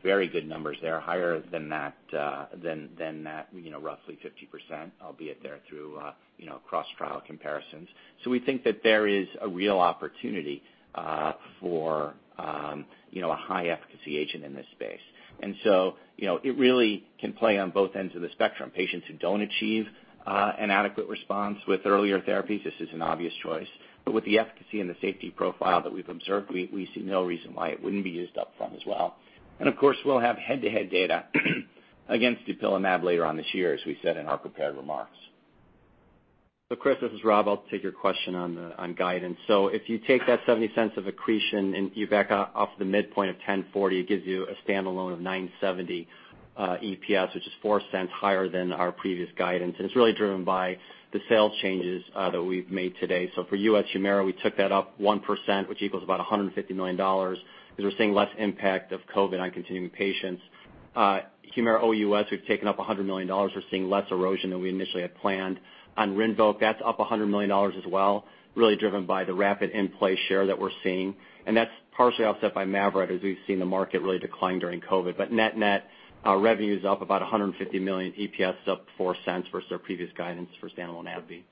very good numbers there, higher than that roughly 50%, albeit they're through cross-trial comparisons. We think that there is a real opportunity for a high-efficacy agent in this space. It really can play on both ends of the spectrum. Patients who don't achieve an adequate response with earlier therapies, this is an obvious choice. With the efficacy and the safety profile that we've observed, we see no reason why it wouldn't be used up front as well. Of course, we'll have head-to-head data against dupilumab later on this year, as we said in our prepared remarks. Chris, this is Rob. I'll take your question on guidance. If you take that $0.70 of accretion and you back off the midpoint of $10.40, it gives you a standalone of $9.70 EPS, which is $0.04 higher than our previous guidance. It's really driven by the sales changes that we've made today. For U.S. HUMIRA, we took that up 1%, which equals about $150 million, because we're seeing less impact of COVID on continuing patients. HUMIRA OUS, we've taken up $100 million. We're seeing less erosion than we initially had planned. On RINVOQ, that's up $100 million as well, really driven by the rapid in-play share that we're seeing. That's partially offset by MAVYRET as we've seen the market really decline during COVID. Net-net, our revenue's up about $150 million, EPS is up $0.04 versus our previous guidance for standalone AbbVie.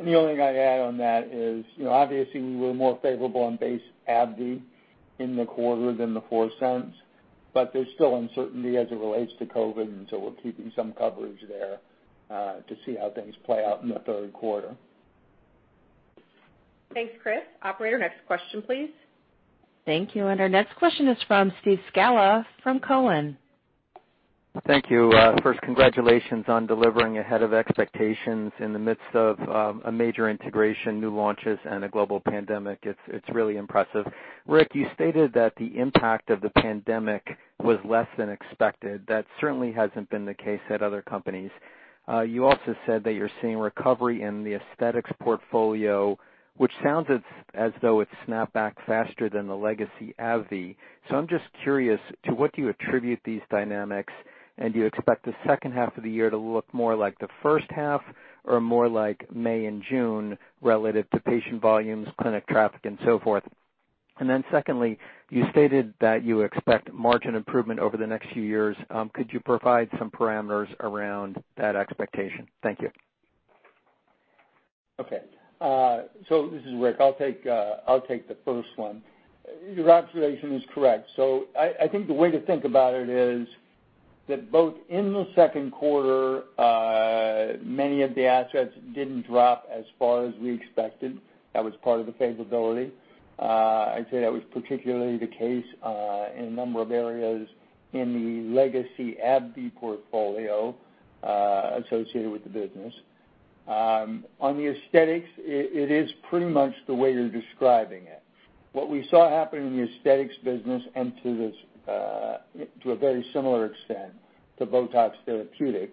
The only thing I'd add on that is obviously we were more favorable on base AbbVie in the quarter than the $0.04, but there's still uncertainty as it relates to COVID, and so we're keeping some coverage there to see how things play out in the third quarter. Thanks, Chris. Operator, next question, please. Thank you. Our next question is from Steve Scala from Cowen. Thank you. Congratulations on delivering ahead of expectations in the midst of a major integration, new launches, and a global pandemic. It's really impressive. Rick, you stated that the impact of the pandemic was less than expected. That certainly hasn't been the case at other companies. You also said that you're seeing recovery in the aesthetics portfolio, which sounds as though it snapped back faster than the legacy AbbVie. I'm just curious, to what do you attribute these dynamics? Do you expect the second half of the year to look more like the first half or more like May and June relative to patient volumes, clinic traffic, and so forth? Secondly, you stated that you expect margin improvement over the next few years. Could you provide some parameters around that expectation? Thank you. Okay. This is Rick. I'll take the first one. Your observation is correct. I think the way to think about it is that both in the second quarter, many of the assets didn't drop as far as we expected. That was part of the favorability. I'd say that was particularly the case in a number of areas in the legacy AbbVie portfolio associated with the business. On the aesthetics, it is pretty much the way you're describing it. What we saw happen in the aesthetics business, and to a very similar extent to BOTOX Therapeutic,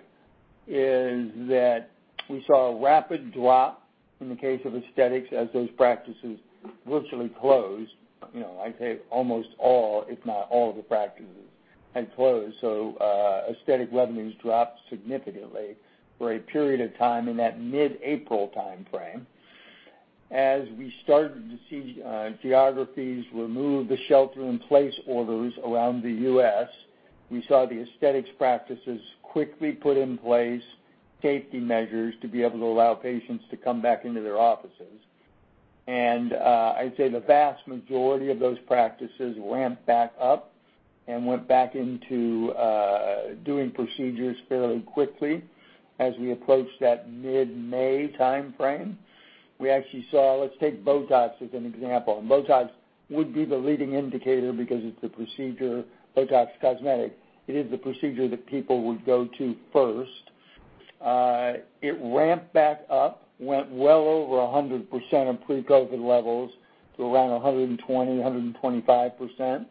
is that we saw a rapid drop in the case of aesthetics as those practices virtually closed. I'd say almost all, if not all of the practices had closed. Aesthetic revenues dropped significantly for a period of time in that mid-April timeframe. As we started to see geographies remove the shelter-in-place orders around the U.S., we saw the aesthetics practices quickly put in place safety measures to be able to allow patients to come back into their offices. I'd say the vast majority of those practices ramped back up and went back into doing procedures fairly quickly as we approached that mid-May timeframe. We actually saw, let's take BOTOX as an example. BOTOX would be the leading indicator because it's the procedure, BOTOX Cosmetic, it is the procedure that people would go to first. It ramped back up, went well over 100% of pre-COVID-19 levels to around 120%-125%.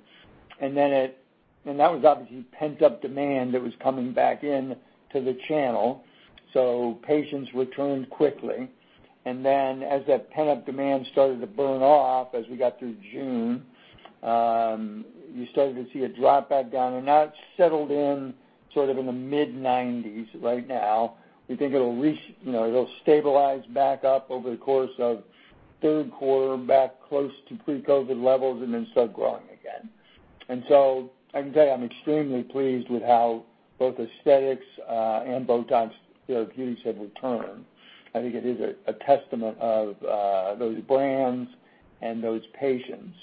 That was obviously pent-up demand that was coming back into the channel. Patients returned quickly. As that pent-up demand started to burn off as we got through June, you started to see it drop back down. Now it's settled in sort of in the mid-90s right now. We think it'll stabilize back up over the course of third quarter back close to pre-COVID levels then start growing again. I can tell you, I'm extremely pleased with how both aesthetics and BOTOX Therapeutic have returned. I think it is a testament of those brands and those patients.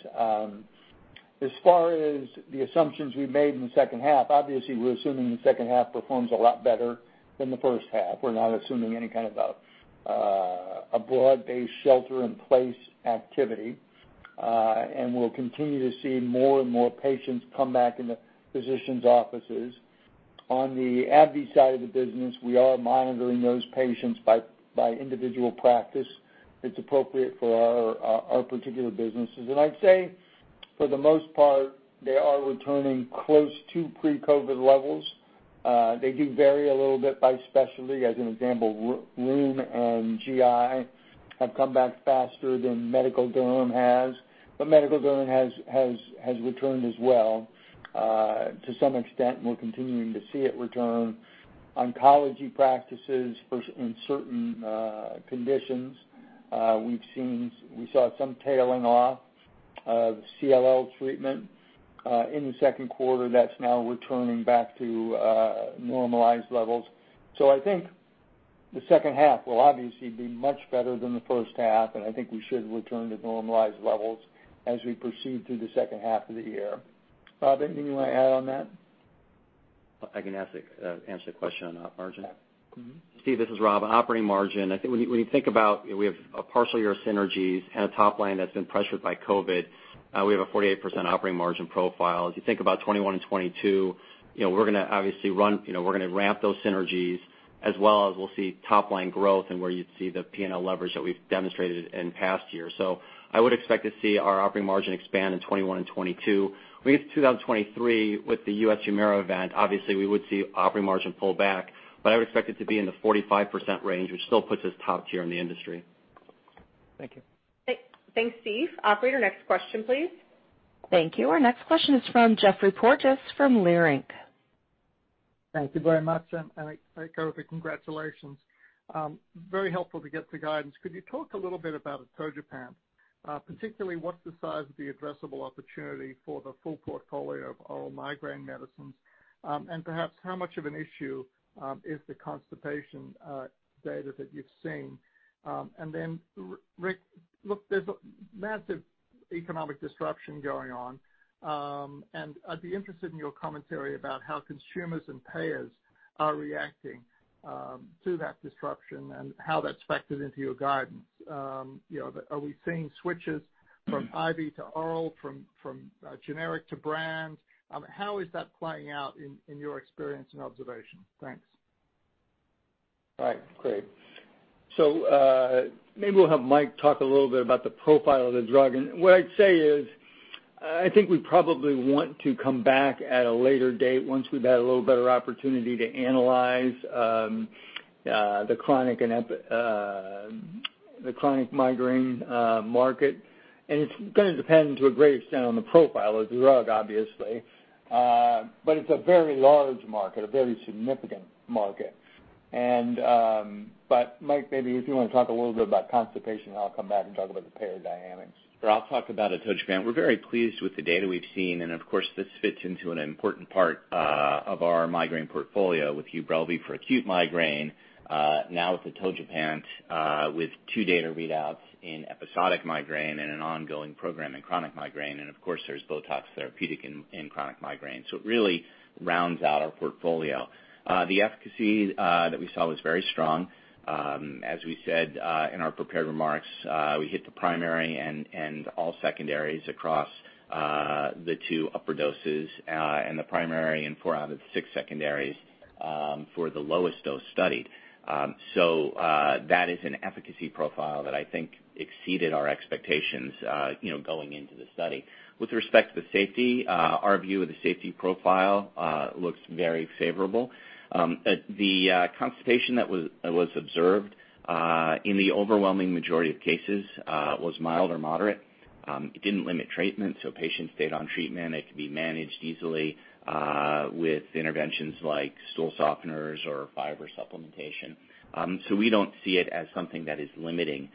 As far as the assumptions we made in the second half, obviously, we're assuming the second half performs a lot better than the first half. We're not assuming any kind of a broad-based shelter-in-place activity. We'll continue to see more and more patients come back in the physicians' offices. On the AbbVie side of the business, we are monitoring those patients by individual practice that's appropriate for our particular businesses. I'd say for the most part, they are returning close to pre-COVID levels. They do vary a little bit by specialty. As an example, rheum and GI have come back faster than medical derm has, but medical derm has returned as well to some extent, and we're continuing to see it return. Oncology practices in certain conditions, we saw some tailing off of CLL treatment in the second quarter that's now returning back to normalized levels. I think the second half will obviously be much better than the first half, and I think we should return to normalized levels as we proceed through the second half of the year. Rob, anything you want to add on that? I can answer the question on margin. Steve, this is Rob. Operating margin, I think when you think about it, we have a partial year of synergies and a top line that's been pressured by COVID. We have a 48% operating margin profile. As you think about 2021 and 2022, we're going to ramp those synergies as well as we'll see top-line growth and where you'd see the P&L leverage that we've demonstrated in past years. I would expect to see our operating margin expand in 2021 and 2022. When we get to 2023 with the U.S. HUMIRA event, obviously we would see operating margin pull back, but I would expect it to be in the 45% range, which still puts us top tier in the industry. Thank you. Thanks, Steve. Operator, next question, please. Thank you. Our next question is from Geoffrey Porges from Leerink. Thank you very much, Rick, terrific congratulations. Very helpful to get the guidance. Could you talk a little bit about atogepant, particularly what's the size of the addressable opportunity for the full portfolio of oral migraine medicines? Perhaps how much of an issue is the constipation data that you've seen? Rick, look, there's a massive economic disruption going on, and I'd be interested in your commentary about how consumers and payers are reacting to that disruption and how that's factored into your guidance. Are we seeing switches from IV to oral, from generic to brand? How is that playing out in your experience and observation? Thanks. All right, great. Maybe we'll have Mike talk a little bit about the profile of the drug. What I'd say is, I think we probably want to come back at a later date once we've had a little better opportunity to analyze the chronic migraine market. It's going to depend to a great extent on the profile of the drug, obviously. It's a very large market, a very significant market. Mike, maybe if you want to talk a little bit about constipation, and I'll come back and talk about the payer dynamics. Sure. I'll talk about atogepant. We're very pleased with the data we've seen. Of course, this fits into an important part of our migraine portfolio with UBRELVY for acute migraine. Now with atogepant, with two data readouts in episodic migraine, an ongoing program in chronic migraine. Of course, there's BOTOX Therapeutic in chronic migraine. It really rounds out our portfolio. The efficacy that we saw was very strong. As we said in our prepared remarks, we hit the primary and all secondaries across the two upper doses, and the primary and four out of the six secondaries for the lowest dose study. That is an efficacy profile that I think exceeded our expectations going into the study. With respect to the safety, our view of the safety profile looks very favorable. The constipation that was observed in the overwhelming majority of cases was mild or moderate. It didn't limit treatment. Patients stayed on treatment. It could be managed easily with interventions like stool softeners or fiber supplementation. We don't see it as something that is limiting,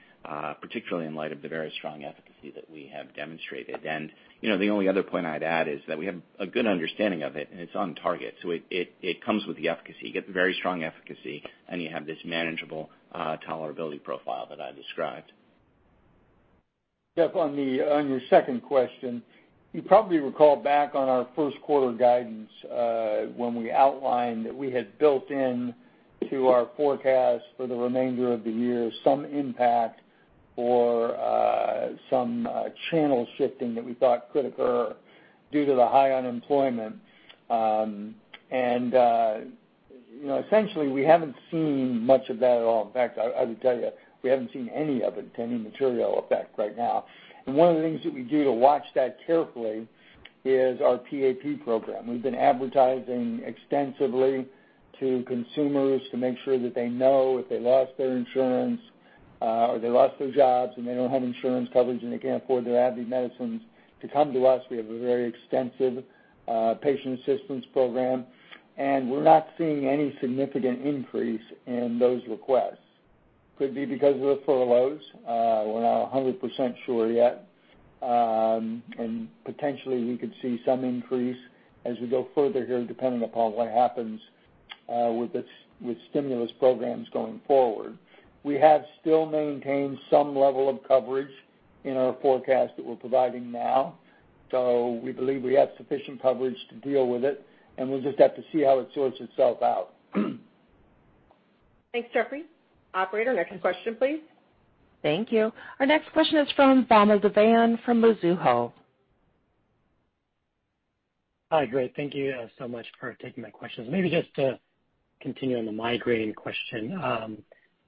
particularly in light of the very strong efficacy that we have demonstrated. The only other point I'd add is that we have a good understanding of it, and it's on target. It comes with the efficacy. You get the very strong efficacy, and you have this manageable tolerability profile that I described. Geoff, on your second question, you probably recall back on our first quarter guidance, when we outlined that we had built in to our forecast for the remainder of the year some impact or some channel shifting that we thought could occur due to the high unemployment. Essentially, we haven't seen much of that at all. In fact, I would tell you, we haven't seen any of it to any material effect right now. One of the things that we do to watch that carefully is our PAP program. We've been advertising extensively to consumers to make sure that they know if they lost their insurance or they lost their jobs and they don't have insurance coverage and they can't afford their AbbVie medicines to come to us. We have a very extensive patient assistance program. We're not seeing any significant increase in those requests. Could be because of the furloughs. We're not 100% sure yet. Potentially we could see some increase as we go further here, depending upon what happens with stimulus programs going forward. We have still maintained some level of coverage in our forecast that we're providing now. We believe we have sufficient coverage to deal with it, and we'll just have to see how it sorts itself out. Thanks, Geoffrey. Operator, next question, please. Thank you. Our next question is from Vamil Divan from Mizuho. Hi, great. Thank you so much for taking my questions. Maybe just to continue on the migraine question.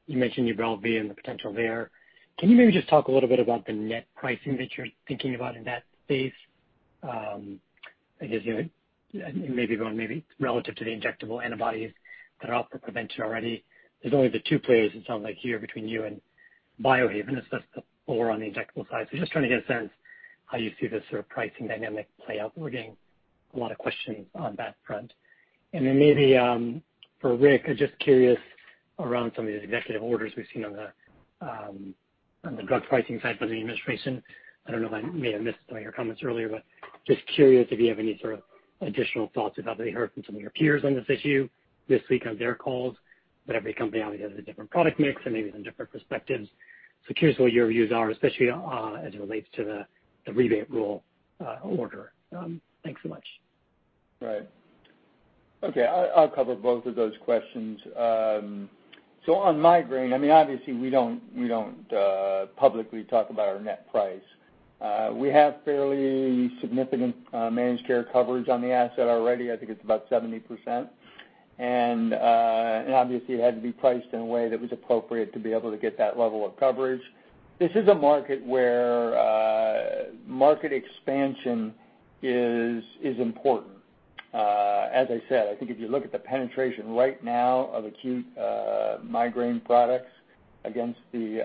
You mentioned UBRELVY and the potential there. Can you maybe just talk a little bit about the net pricing that you're thinking about in that space? I guess going relative to the injectable antibodies that are out for prevention already. There's only the two players, it sounds like here between you and Biohaven, as the four on the injectable side. Just trying to get a sense how you see this sort of pricing dynamic play out. We're getting a lot of questions on that front. Maybe, for Rick, I'm just curious around some of these executive orders we've seen on the drug pricing side by the administration. I don't know if I may have missed some of your comments earlier, but just curious if you have any sort of additional thoughts about what you heard from some of your peers on this issue this week on their calls. Every company obviously has a different product mix and maybe even different perspectives. Curious what your views are, especially, as it relates to the rebate rule order. Thanks so much. Right. Okay, I'll cover both of those questions. On migraine, obviously we don't publicly talk about our net price. We have fairly significant managed care coverage on the asset already. I think it's about 70%. Obviously it had to be priced in a way that was appropriate to be able to get that level of coverage. This is a market where market expansion is important. As I said, I think if you look at the penetration right now of acute migraine products against the,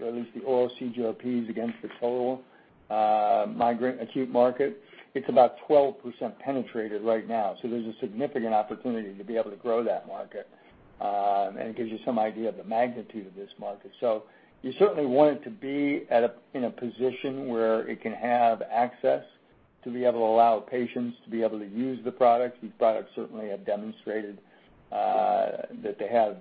or at least the oral CGRPs against the total migraine acute market, it's about 12% penetrated right now. There's a significant opportunity to be able to grow that market. It gives you some idea of the magnitude of this market. You certainly want it to be in a position where it can have access to be able to allow patients to be able to use the products. These products certainly have demonstrated that they have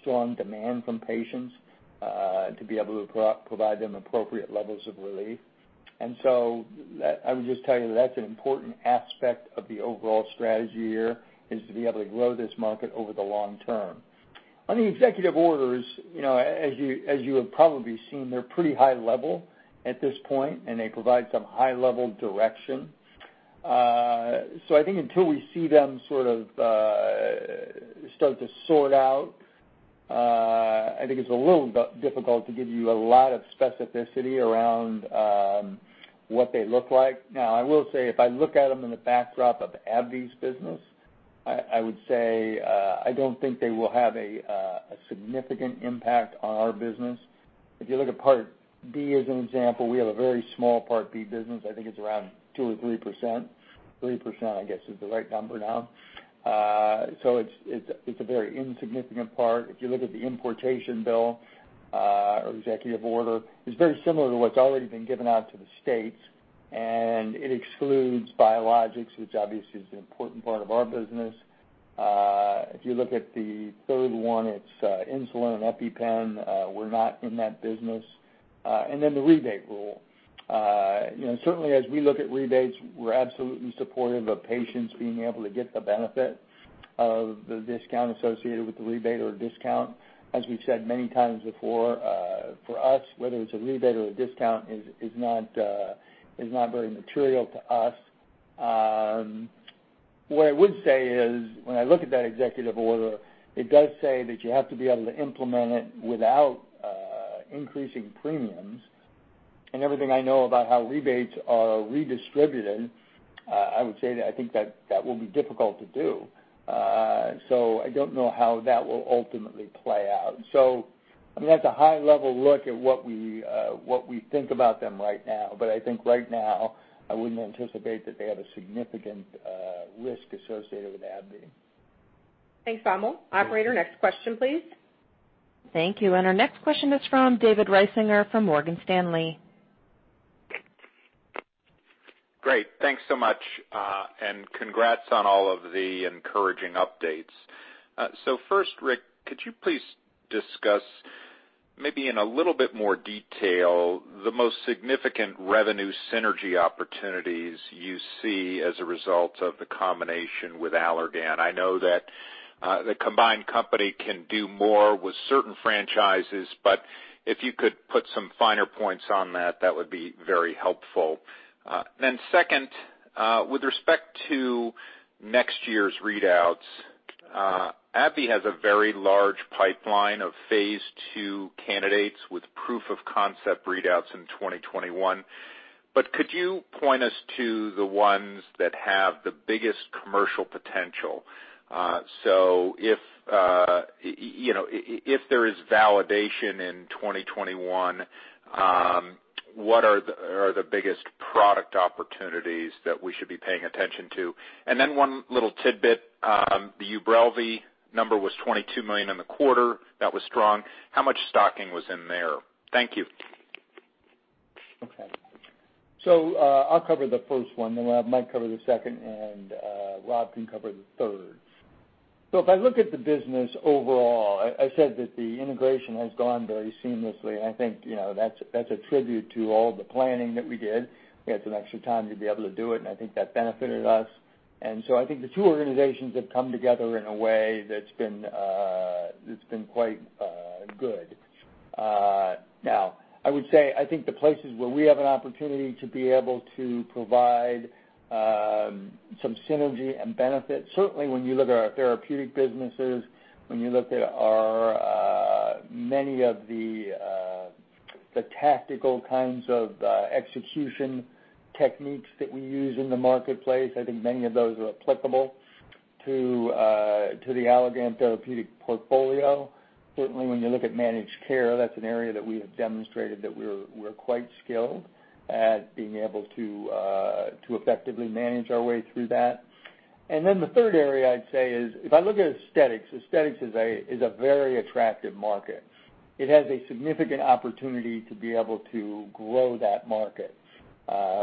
strong demand from patients, to be able to provide them appropriate levels of relief. I would just tell you that that's an important aspect of the overall strategy here, is to be able to grow this market over the long term. On the executive orders, as you have probably seen, they're pretty high level at this point, and they provide some high-level direction. I think until we see them sort of start to sort out, I think it's a little difficult to give you a lot of specificity around what they look like. I will say, if I look at them in the backdrop of AbbVie's business, I would say, I don't think they will have a significant impact on our business. If you look at Part D as an example, we have a very small Part D business. I think it's around 2% or 3%. 3%, I guess, is the right number now. It's a very insignificant part. If you look at the importation bill, or executive order, it's very similar to what's already been given out to the states, and it excludes biologics, which obviously is an important part of our business. If you look at the third one, it's insulin and EpiPen. We're not in that business. The rebate rule. Certainly as we look at rebates, we're absolutely supportive of patients being able to get the benefit of the discount associated with the rebate or discount. As we've said many times before, for us, whether it's a rebate or a discount is not very material to us. What I would say is, when I look at that executive order, it does say that you have to be able to implement it without increasing premiums. Everything I know about how rebates are redistributed, I would say that I think that will be difficult to do. I don't know how that will ultimately play out. That's a high-level look at what we think about them right now. I think right now, I wouldn't anticipate that they have a significant risk associated with AbbVie. Thanks, Vamil. Operator, next question, please. Thank you. Our next question is from David Risinger from Morgan Stanley. Great. Thanks so much, and congrats on all of the encouraging updates. First, Rick, could you please discuss maybe in a little bit more detail the most significant revenue synergy opportunities you see as a result of the combination with Allergan? I know that the combined company can do more with certain franchises, but if you could put some finer points on that would be very helpful. Second, with respect to next year's readouts, AbbVie has a very large pipeline of phase II candidates with proof of concept readouts in 2021. Could you point us to the ones that have the biggest commercial potential? If there is validation in 2021, what are the biggest product opportunities that we should be paying attention to? One little tidbit, the UBRELVY number was $22 million in the quarter. That was strong. How much stocking was in there? Thank you. Okay. I'll cover the first one, then we'll have Mike cover the second, and Rob can cover the third. If I look at the business overall, I said that the integration has gone very seamlessly, and I think that's a tribute to all the planning that we did. We had some extra time to be able to do it, and I think that benefited us. I think the two organizations have come together in a way that's been quite good. Now, I would say, I think the places where we have an opportunity to be able to provide some synergy and benefit, certainly when you look at our therapeutic businesses, when you look at our many of the tactical kinds of execution techniques that we use in the marketplace, I think many of those are applicable to the Allergan therapeutic portfolio. Certainly, when you look at managed care, that's an area that we have demonstrated that we're quite skilled at being able to effectively manage our way through that. The third area I'd say is, if I look at aesthetics is a very attractive market. It has a significant opportunity to be able to grow that market,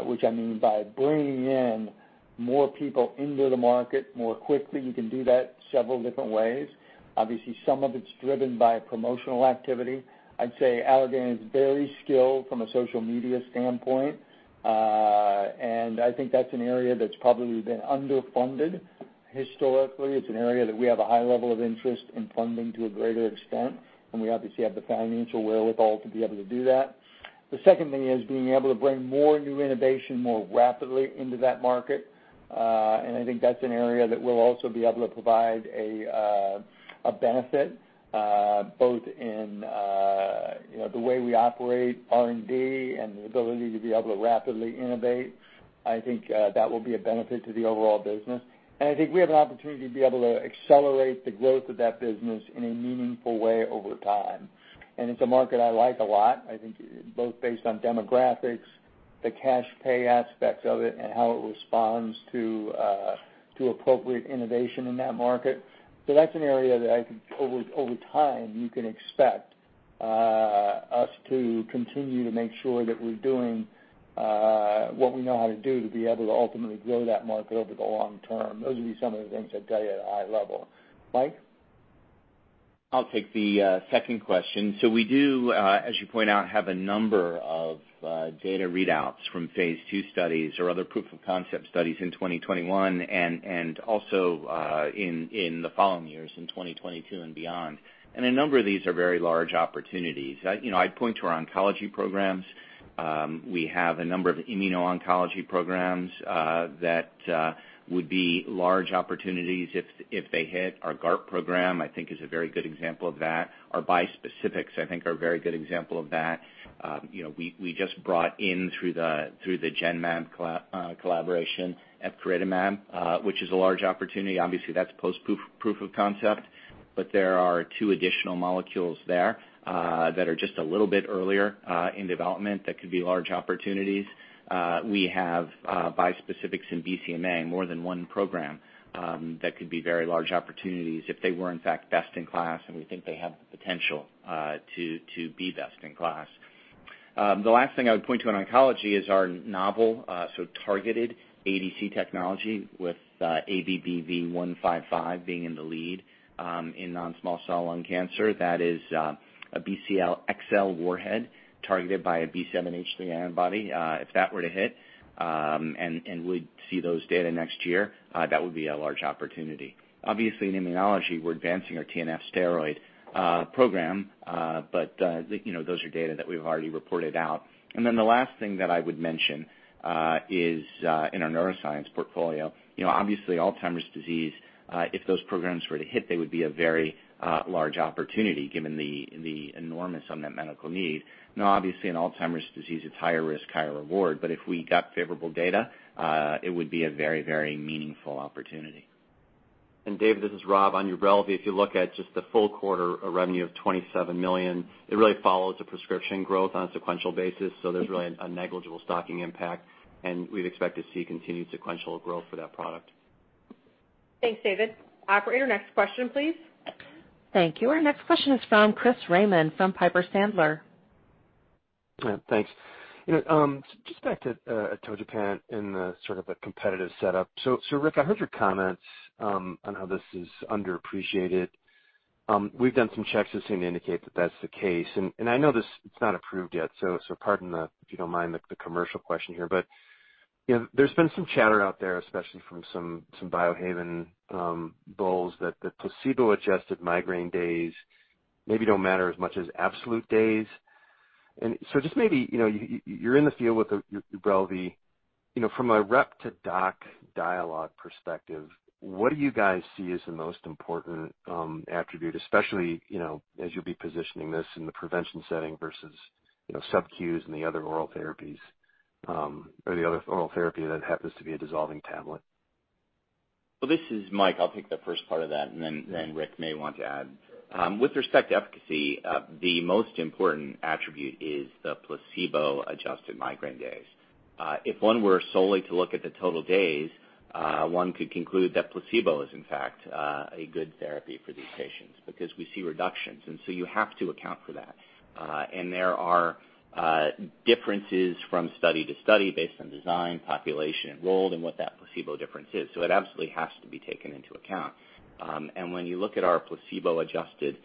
which I mean by bringing in more people into the market more quickly. You can do that several different ways. Obviously, some of it's driven by promotional activity. I'd say Allergan is very skilled from a social media standpoint, and I think that's an area that's probably been underfunded historically. It's an area that we have a high level of interest in funding to a greater extent, and we obviously have the financial wherewithal to be able to do that. The second thing is being able to bring more new innovation more rapidly into that market. I think that's an area that we'll also be able to provide a benefit, both in the way we operate R&D and the ability to be able to rapidly innovate. I think that will be a benefit to the overall business. I think we have an opportunity to be able to accelerate the growth of that business in a meaningful way over time. It's a market I like a lot, I think both based on demographics, the cash pay aspects of it, and how it responds to appropriate innovation in that market. That's an area that I think over time you can expect us to continue to make sure that we're doing what we know how to do to be able to ultimately grow that market over the long term. Those would be some of the things I'd tell you at an eye level. Mike? I'll take the second question. We do, as you point out, have a number of data readouts from phase II studies or other proof of concept studies in 2021 and also in the following years, in 2022 and beyond. A number of these are very large opportunities. I'd point to our oncology programs. We have a number of immuno-oncology programs that would be large opportunities if they hit. Our GARP program, I think is a very good example of that. Our bispecifics, I think, are a very good example of that. We just brought in through the Genmab collaboration epcoritamab, which is a large opportunity. Obviously, that's post proof of concept. There are two additional molecules there that are just a little bit earlier in development that could be large opportunities. We have bispecifics in BCMA, more than one program that could be very large opportunities if they were, in fact, best in class, and we think they have the potential to be best in class. The last thing I would point to in oncology is our novel targeted ADC technology with ABBV-155 being in the lead in non-small cell lung cancer. That is a BCL-xL warhead targeted by a B7H3 antibody. If that were to hit, we'd see those data next year, that would be a large opportunity. Obviously, in immunology, we're advancing our TNF steroid program, those are data that we've already reported out. The last thing that I would mention is in our neuroscience portfolio. Obviously, Alzheimer's disease, if those programs were to hit, they would be a very large opportunity given the enormous unmet medical need. Obviously, in Alzheimer's disease, it's higher risk, higher reward. If we got favorable data, it would be a very, very meaningful opportunity. David, this is Rob. On UBRELVY, if you look at just the full quarter revenue of $27 million, it really follows the prescription growth on a sequential basis. There's really a negligible stocking impact, and we'd expect to see continued sequential growth for that product. Thanks, David. Operator, next question, please. Thank you. Our next question is from Chris Raymond from Piper Sandler. Yeah, thanks. Just back to atogepant and the sort of the competitive setup. Rick, I heard your comments on how this is underappreciated. We've done some checks that seem to indicate that that's the case, I know this is not approved yet, pardon, if you don't mind, the commercial question here. There's been some chatter out there, especially from some Biohaven bulls that the placebo-adjusted migraine days maybe don't matter as much as absolute days. Just maybe, you're in the field with UBRELVY. From a rep-to-doc dialogue perspective, what do you guys see as the most important attribute, especially as you'll be positioning this in the prevention setting versus subQs and the other oral therapies, or the other oral therapy that happens to be a dissolving tablet? This is Mike. I'll take the first part of that, and then Rick may want to add. With respect to efficacy, the most important attribute is the placebo-adjusted migraine days. If one were solely to look at the total days, one could conclude that placebo is in fact a good therapy for these patients because we see reductions, and so you have to account for that. There are differences from study to study based on design, population enrolled, and what that placebo difference is. So it absolutely has to be taken into account. When you look at our placebo-adjusted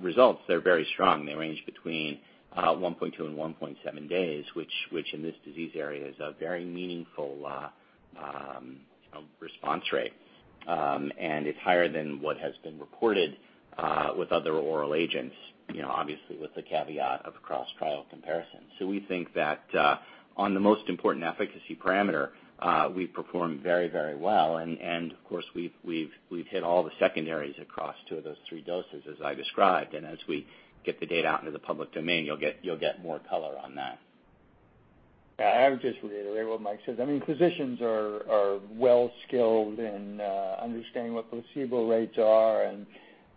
results, they're very strong. They range between 1.2 and 1.7 days, which in this disease area is a very meaningful response rate. And it's higher than what has been reported with other oral agents, obviously with the caveat of cross-trial comparison. We think that on the most important efficacy parameter, we've performed very well, and of course, we've hit all the secondaries across two of those three doses as I described, and as we get the data out into the public domain, you'll get more color on that. Yeah. I would just reiterate what Mike says. Physicians are well-skilled in understanding what placebo rates are, and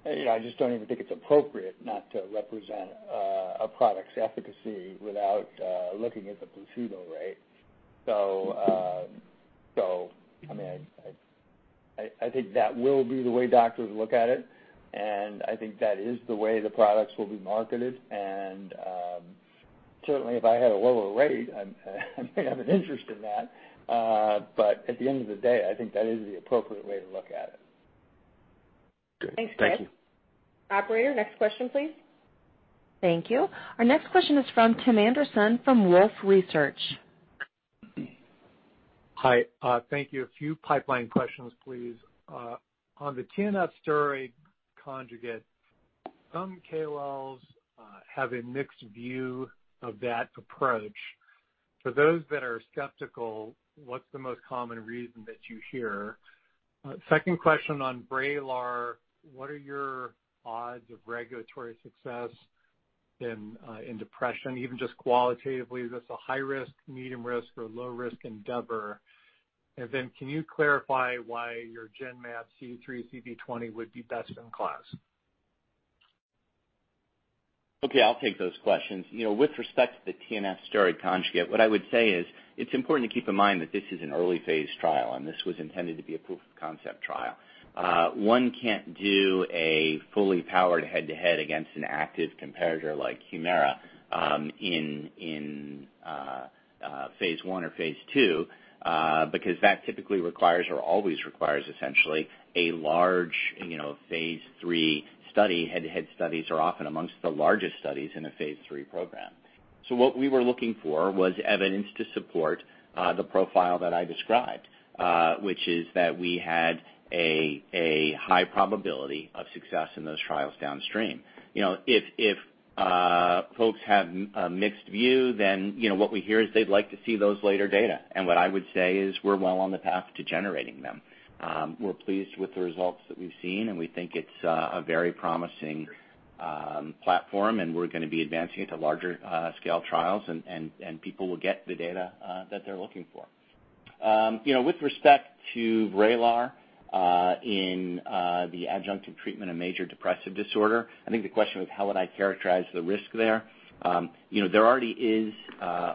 I just don't even think it's appropriate not to represent a product's efficacy without looking at the placebo rate. I think that will be the way doctors look at it, and I think that is the way the products will be marketed, and certainly if I had a lower rate, I'd have an interest in that. At the end of the day, I think that is the appropriate way to look at it. Good. Thank you. Thanks, Fred. Operator, next question, please. Thank you. Our next question is from Tim Anderson from Wolfe Research. Hi. Thank you. A few pipeline questions, please. On the TNF steroid conjugate, some KOLs have a mixed view of that approach. For those that are skeptical, what's the most common reason that you hear? Second question on VRAYLAR, what are your odds of regulatory success in depression, even just qualitatively? Is this a high risk, medium risk, or low risk endeavor? Can you clarify why your Genmab CD3/CD20 would be best in class? Okay, I'll take those questions. With respect to the TNF steroid conjugate, what I would say is, it's important to keep in mind that this is an early-phase trial, and this was intended to be a proof of concept trial. One can't do a fully powered head-to-head against an active comparator like HUMIRA in phase I or phase II because that typically requires or always requires essentially a large phase III study. Head-to-head studies are often amongst the largest studies in a phase III program. What we were looking for was evidence to support the profile that I described, which is that we had a high probability of success in those trials downstream. If folks have a mixed view, then what we hear is they'd like to see those later data. What I would say is we're well on the path to generating them. We're pleased with the results that we've seen. We think it's a very promising platform. We're going to be advancing it to larger scale trials and people will get the data that they're looking for. With respect to VRAYLAR in the adjunctive treatment of major depressive disorder, I think the question was how would I characterize the risk there? There already is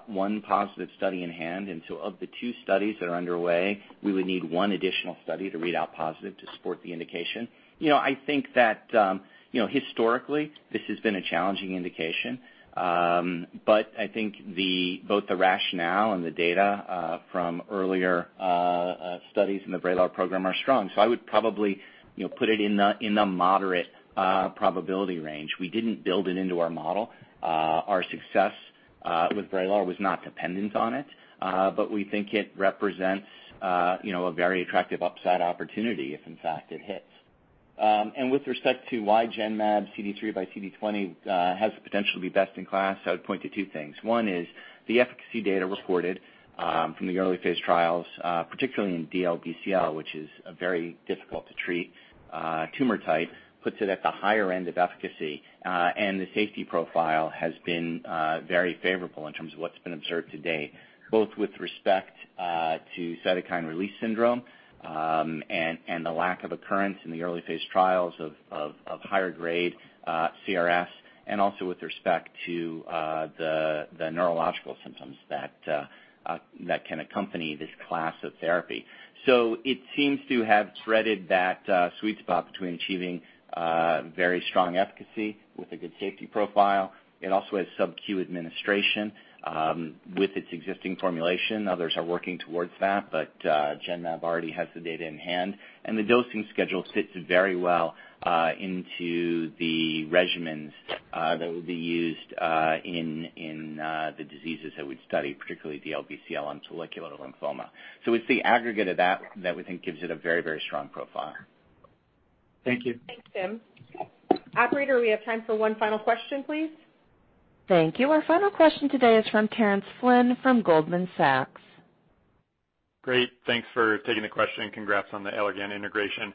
one positive study in hand. Of the two studies that are underway, we would need one additional study to read out positive to support the indication. I think that historically, this has been a challenging indication. I think both the rationale and the data from earlier studies in the VRAYLAR program are strong. I would probably put it in the moderate probability range. We didn't build it into our model. Our success with VRAYLAR was not dependent on it. We think it represents a very attractive upside opportunity if in fact it hits. With respect to why Genmab CD3 by CD20 has the potential to be best in class, I would point to two things. One is the efficacy data reported from the early phase trials, particularly in DLBCL, which is a very difficult to treat tumor type, puts it at the higher end of efficacy. The safety profile has been very favorable in terms of what's been observed to date, both with respect to cytokine release syndrome, and the lack of occurrence in the early phase trials of higher grade CRS, and also with respect to the neurological symptoms that can accompany this class of therapy. It seems to have threaded that sweet spot between achieving very strong efficacy with a good safety profile. It also has sub-Q administration with its existing formulation. Others are working towards that. Genmab already has the data in hand, and the dosing schedule fits very well into the regimens that will be used in the diseases that we'd study, particularly DLBCL and follicular lymphoma. It's the aggregate of that that we think gives it a very strong profile. Thank you. Thanks, Tim. Operator, we have time for one final question, please. Thank you. Our final question today is from Terence Flynn from Goldman Sachs. Great. Thanks for taking the question. Congrats on the Allergan integration.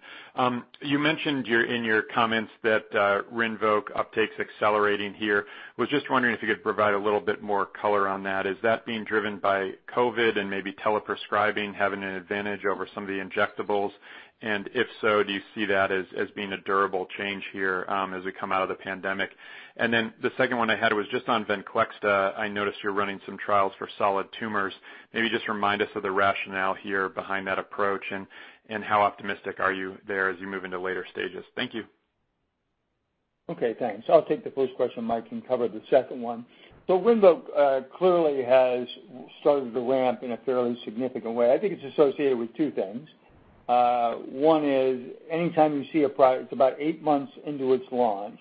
You mentioned in your comments that RINVOQ uptake's accelerating here. Was just wondering if you could provide a little bit more color on that. Is that being driven by COVID and maybe tele-prescribing having an advantage over some of the injectables? If so, do you see that as being a durable change here as we come out of the pandemic? The second one I had was just on VENCLEXTA. I noticed you're running some trials for solid tumors. Maybe just remind us of the rationale here behind that approach, and how optimistic are you there as you move into later stages? Thank you. Okay, thanks. I'll take the first question. Mike can cover the second one. RINVOQ clearly has started to ramp in a fairly significant way. I think it's associated with two things. One is anytime you see a product about eight months into its launch,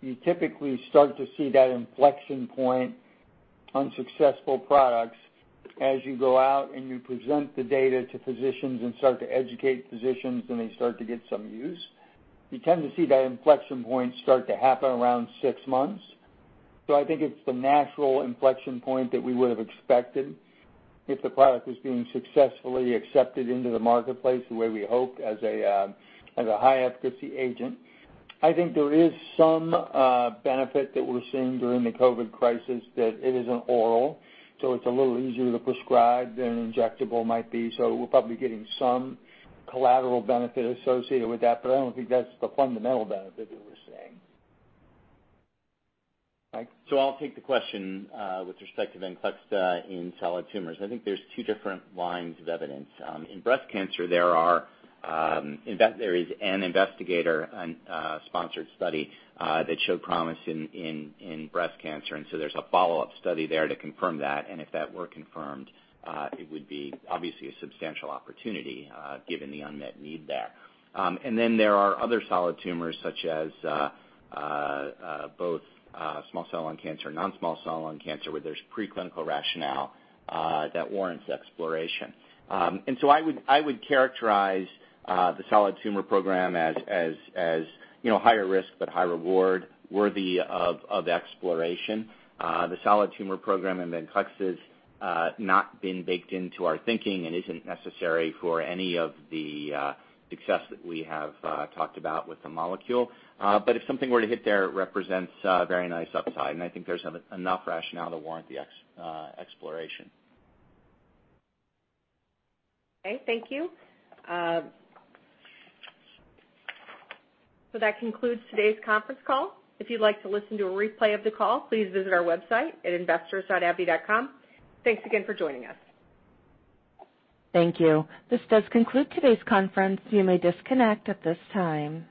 you typically start to see that inflection point. On successful products, as you go out and you present the data to physicians and start to educate physicians, then they start to get some use. You tend to see that inflection point start to happen around six months. I think it's the natural inflection point that we would have expected if the product was being successfully accepted into the marketplace the way we hoped as a high efficacy agent. I think there is some benefit that we're seeing during the COVID crisis that it is an oral, so it's a little easier to prescribe than an injectable might be. We're probably getting some collateral benefit associated with that, but I don't think that's the fundamental benefit that we're seeing. Mike? I'll take the question with respect to VENCLEXTA in solid tumors. I think there's two different lines of evidence. In breast cancer, there is an investigator in a sponsored study that showed promise in breast cancer, and so there's a follow-up study there to confirm that. If that were confirmed, it would be obviously a substantial opportunity given the unmet need there. Then there are other solid tumors, such as both small cell lung cancer and non-small cell lung cancer, where there's preclinical rationale that warrants exploration. I would characterize the solid tumor program as higher risk, but high reward, worthy of exploration. The solid tumor program in VENCLEXTA has not been baked into our thinking and isn't necessary for any of the success that we have talked about with the molecule. If something were to hit there, it represents a very nice upside, and I think there's enough rationale to warrant the exploration. Okay. Thank you. That concludes today's conference call. If you'd like to listen to a replay of the call, please visit our website at investor.abbvie.com. Thanks again for joining us. Thank you. This does conclude today's conference. You may disconnect at this time.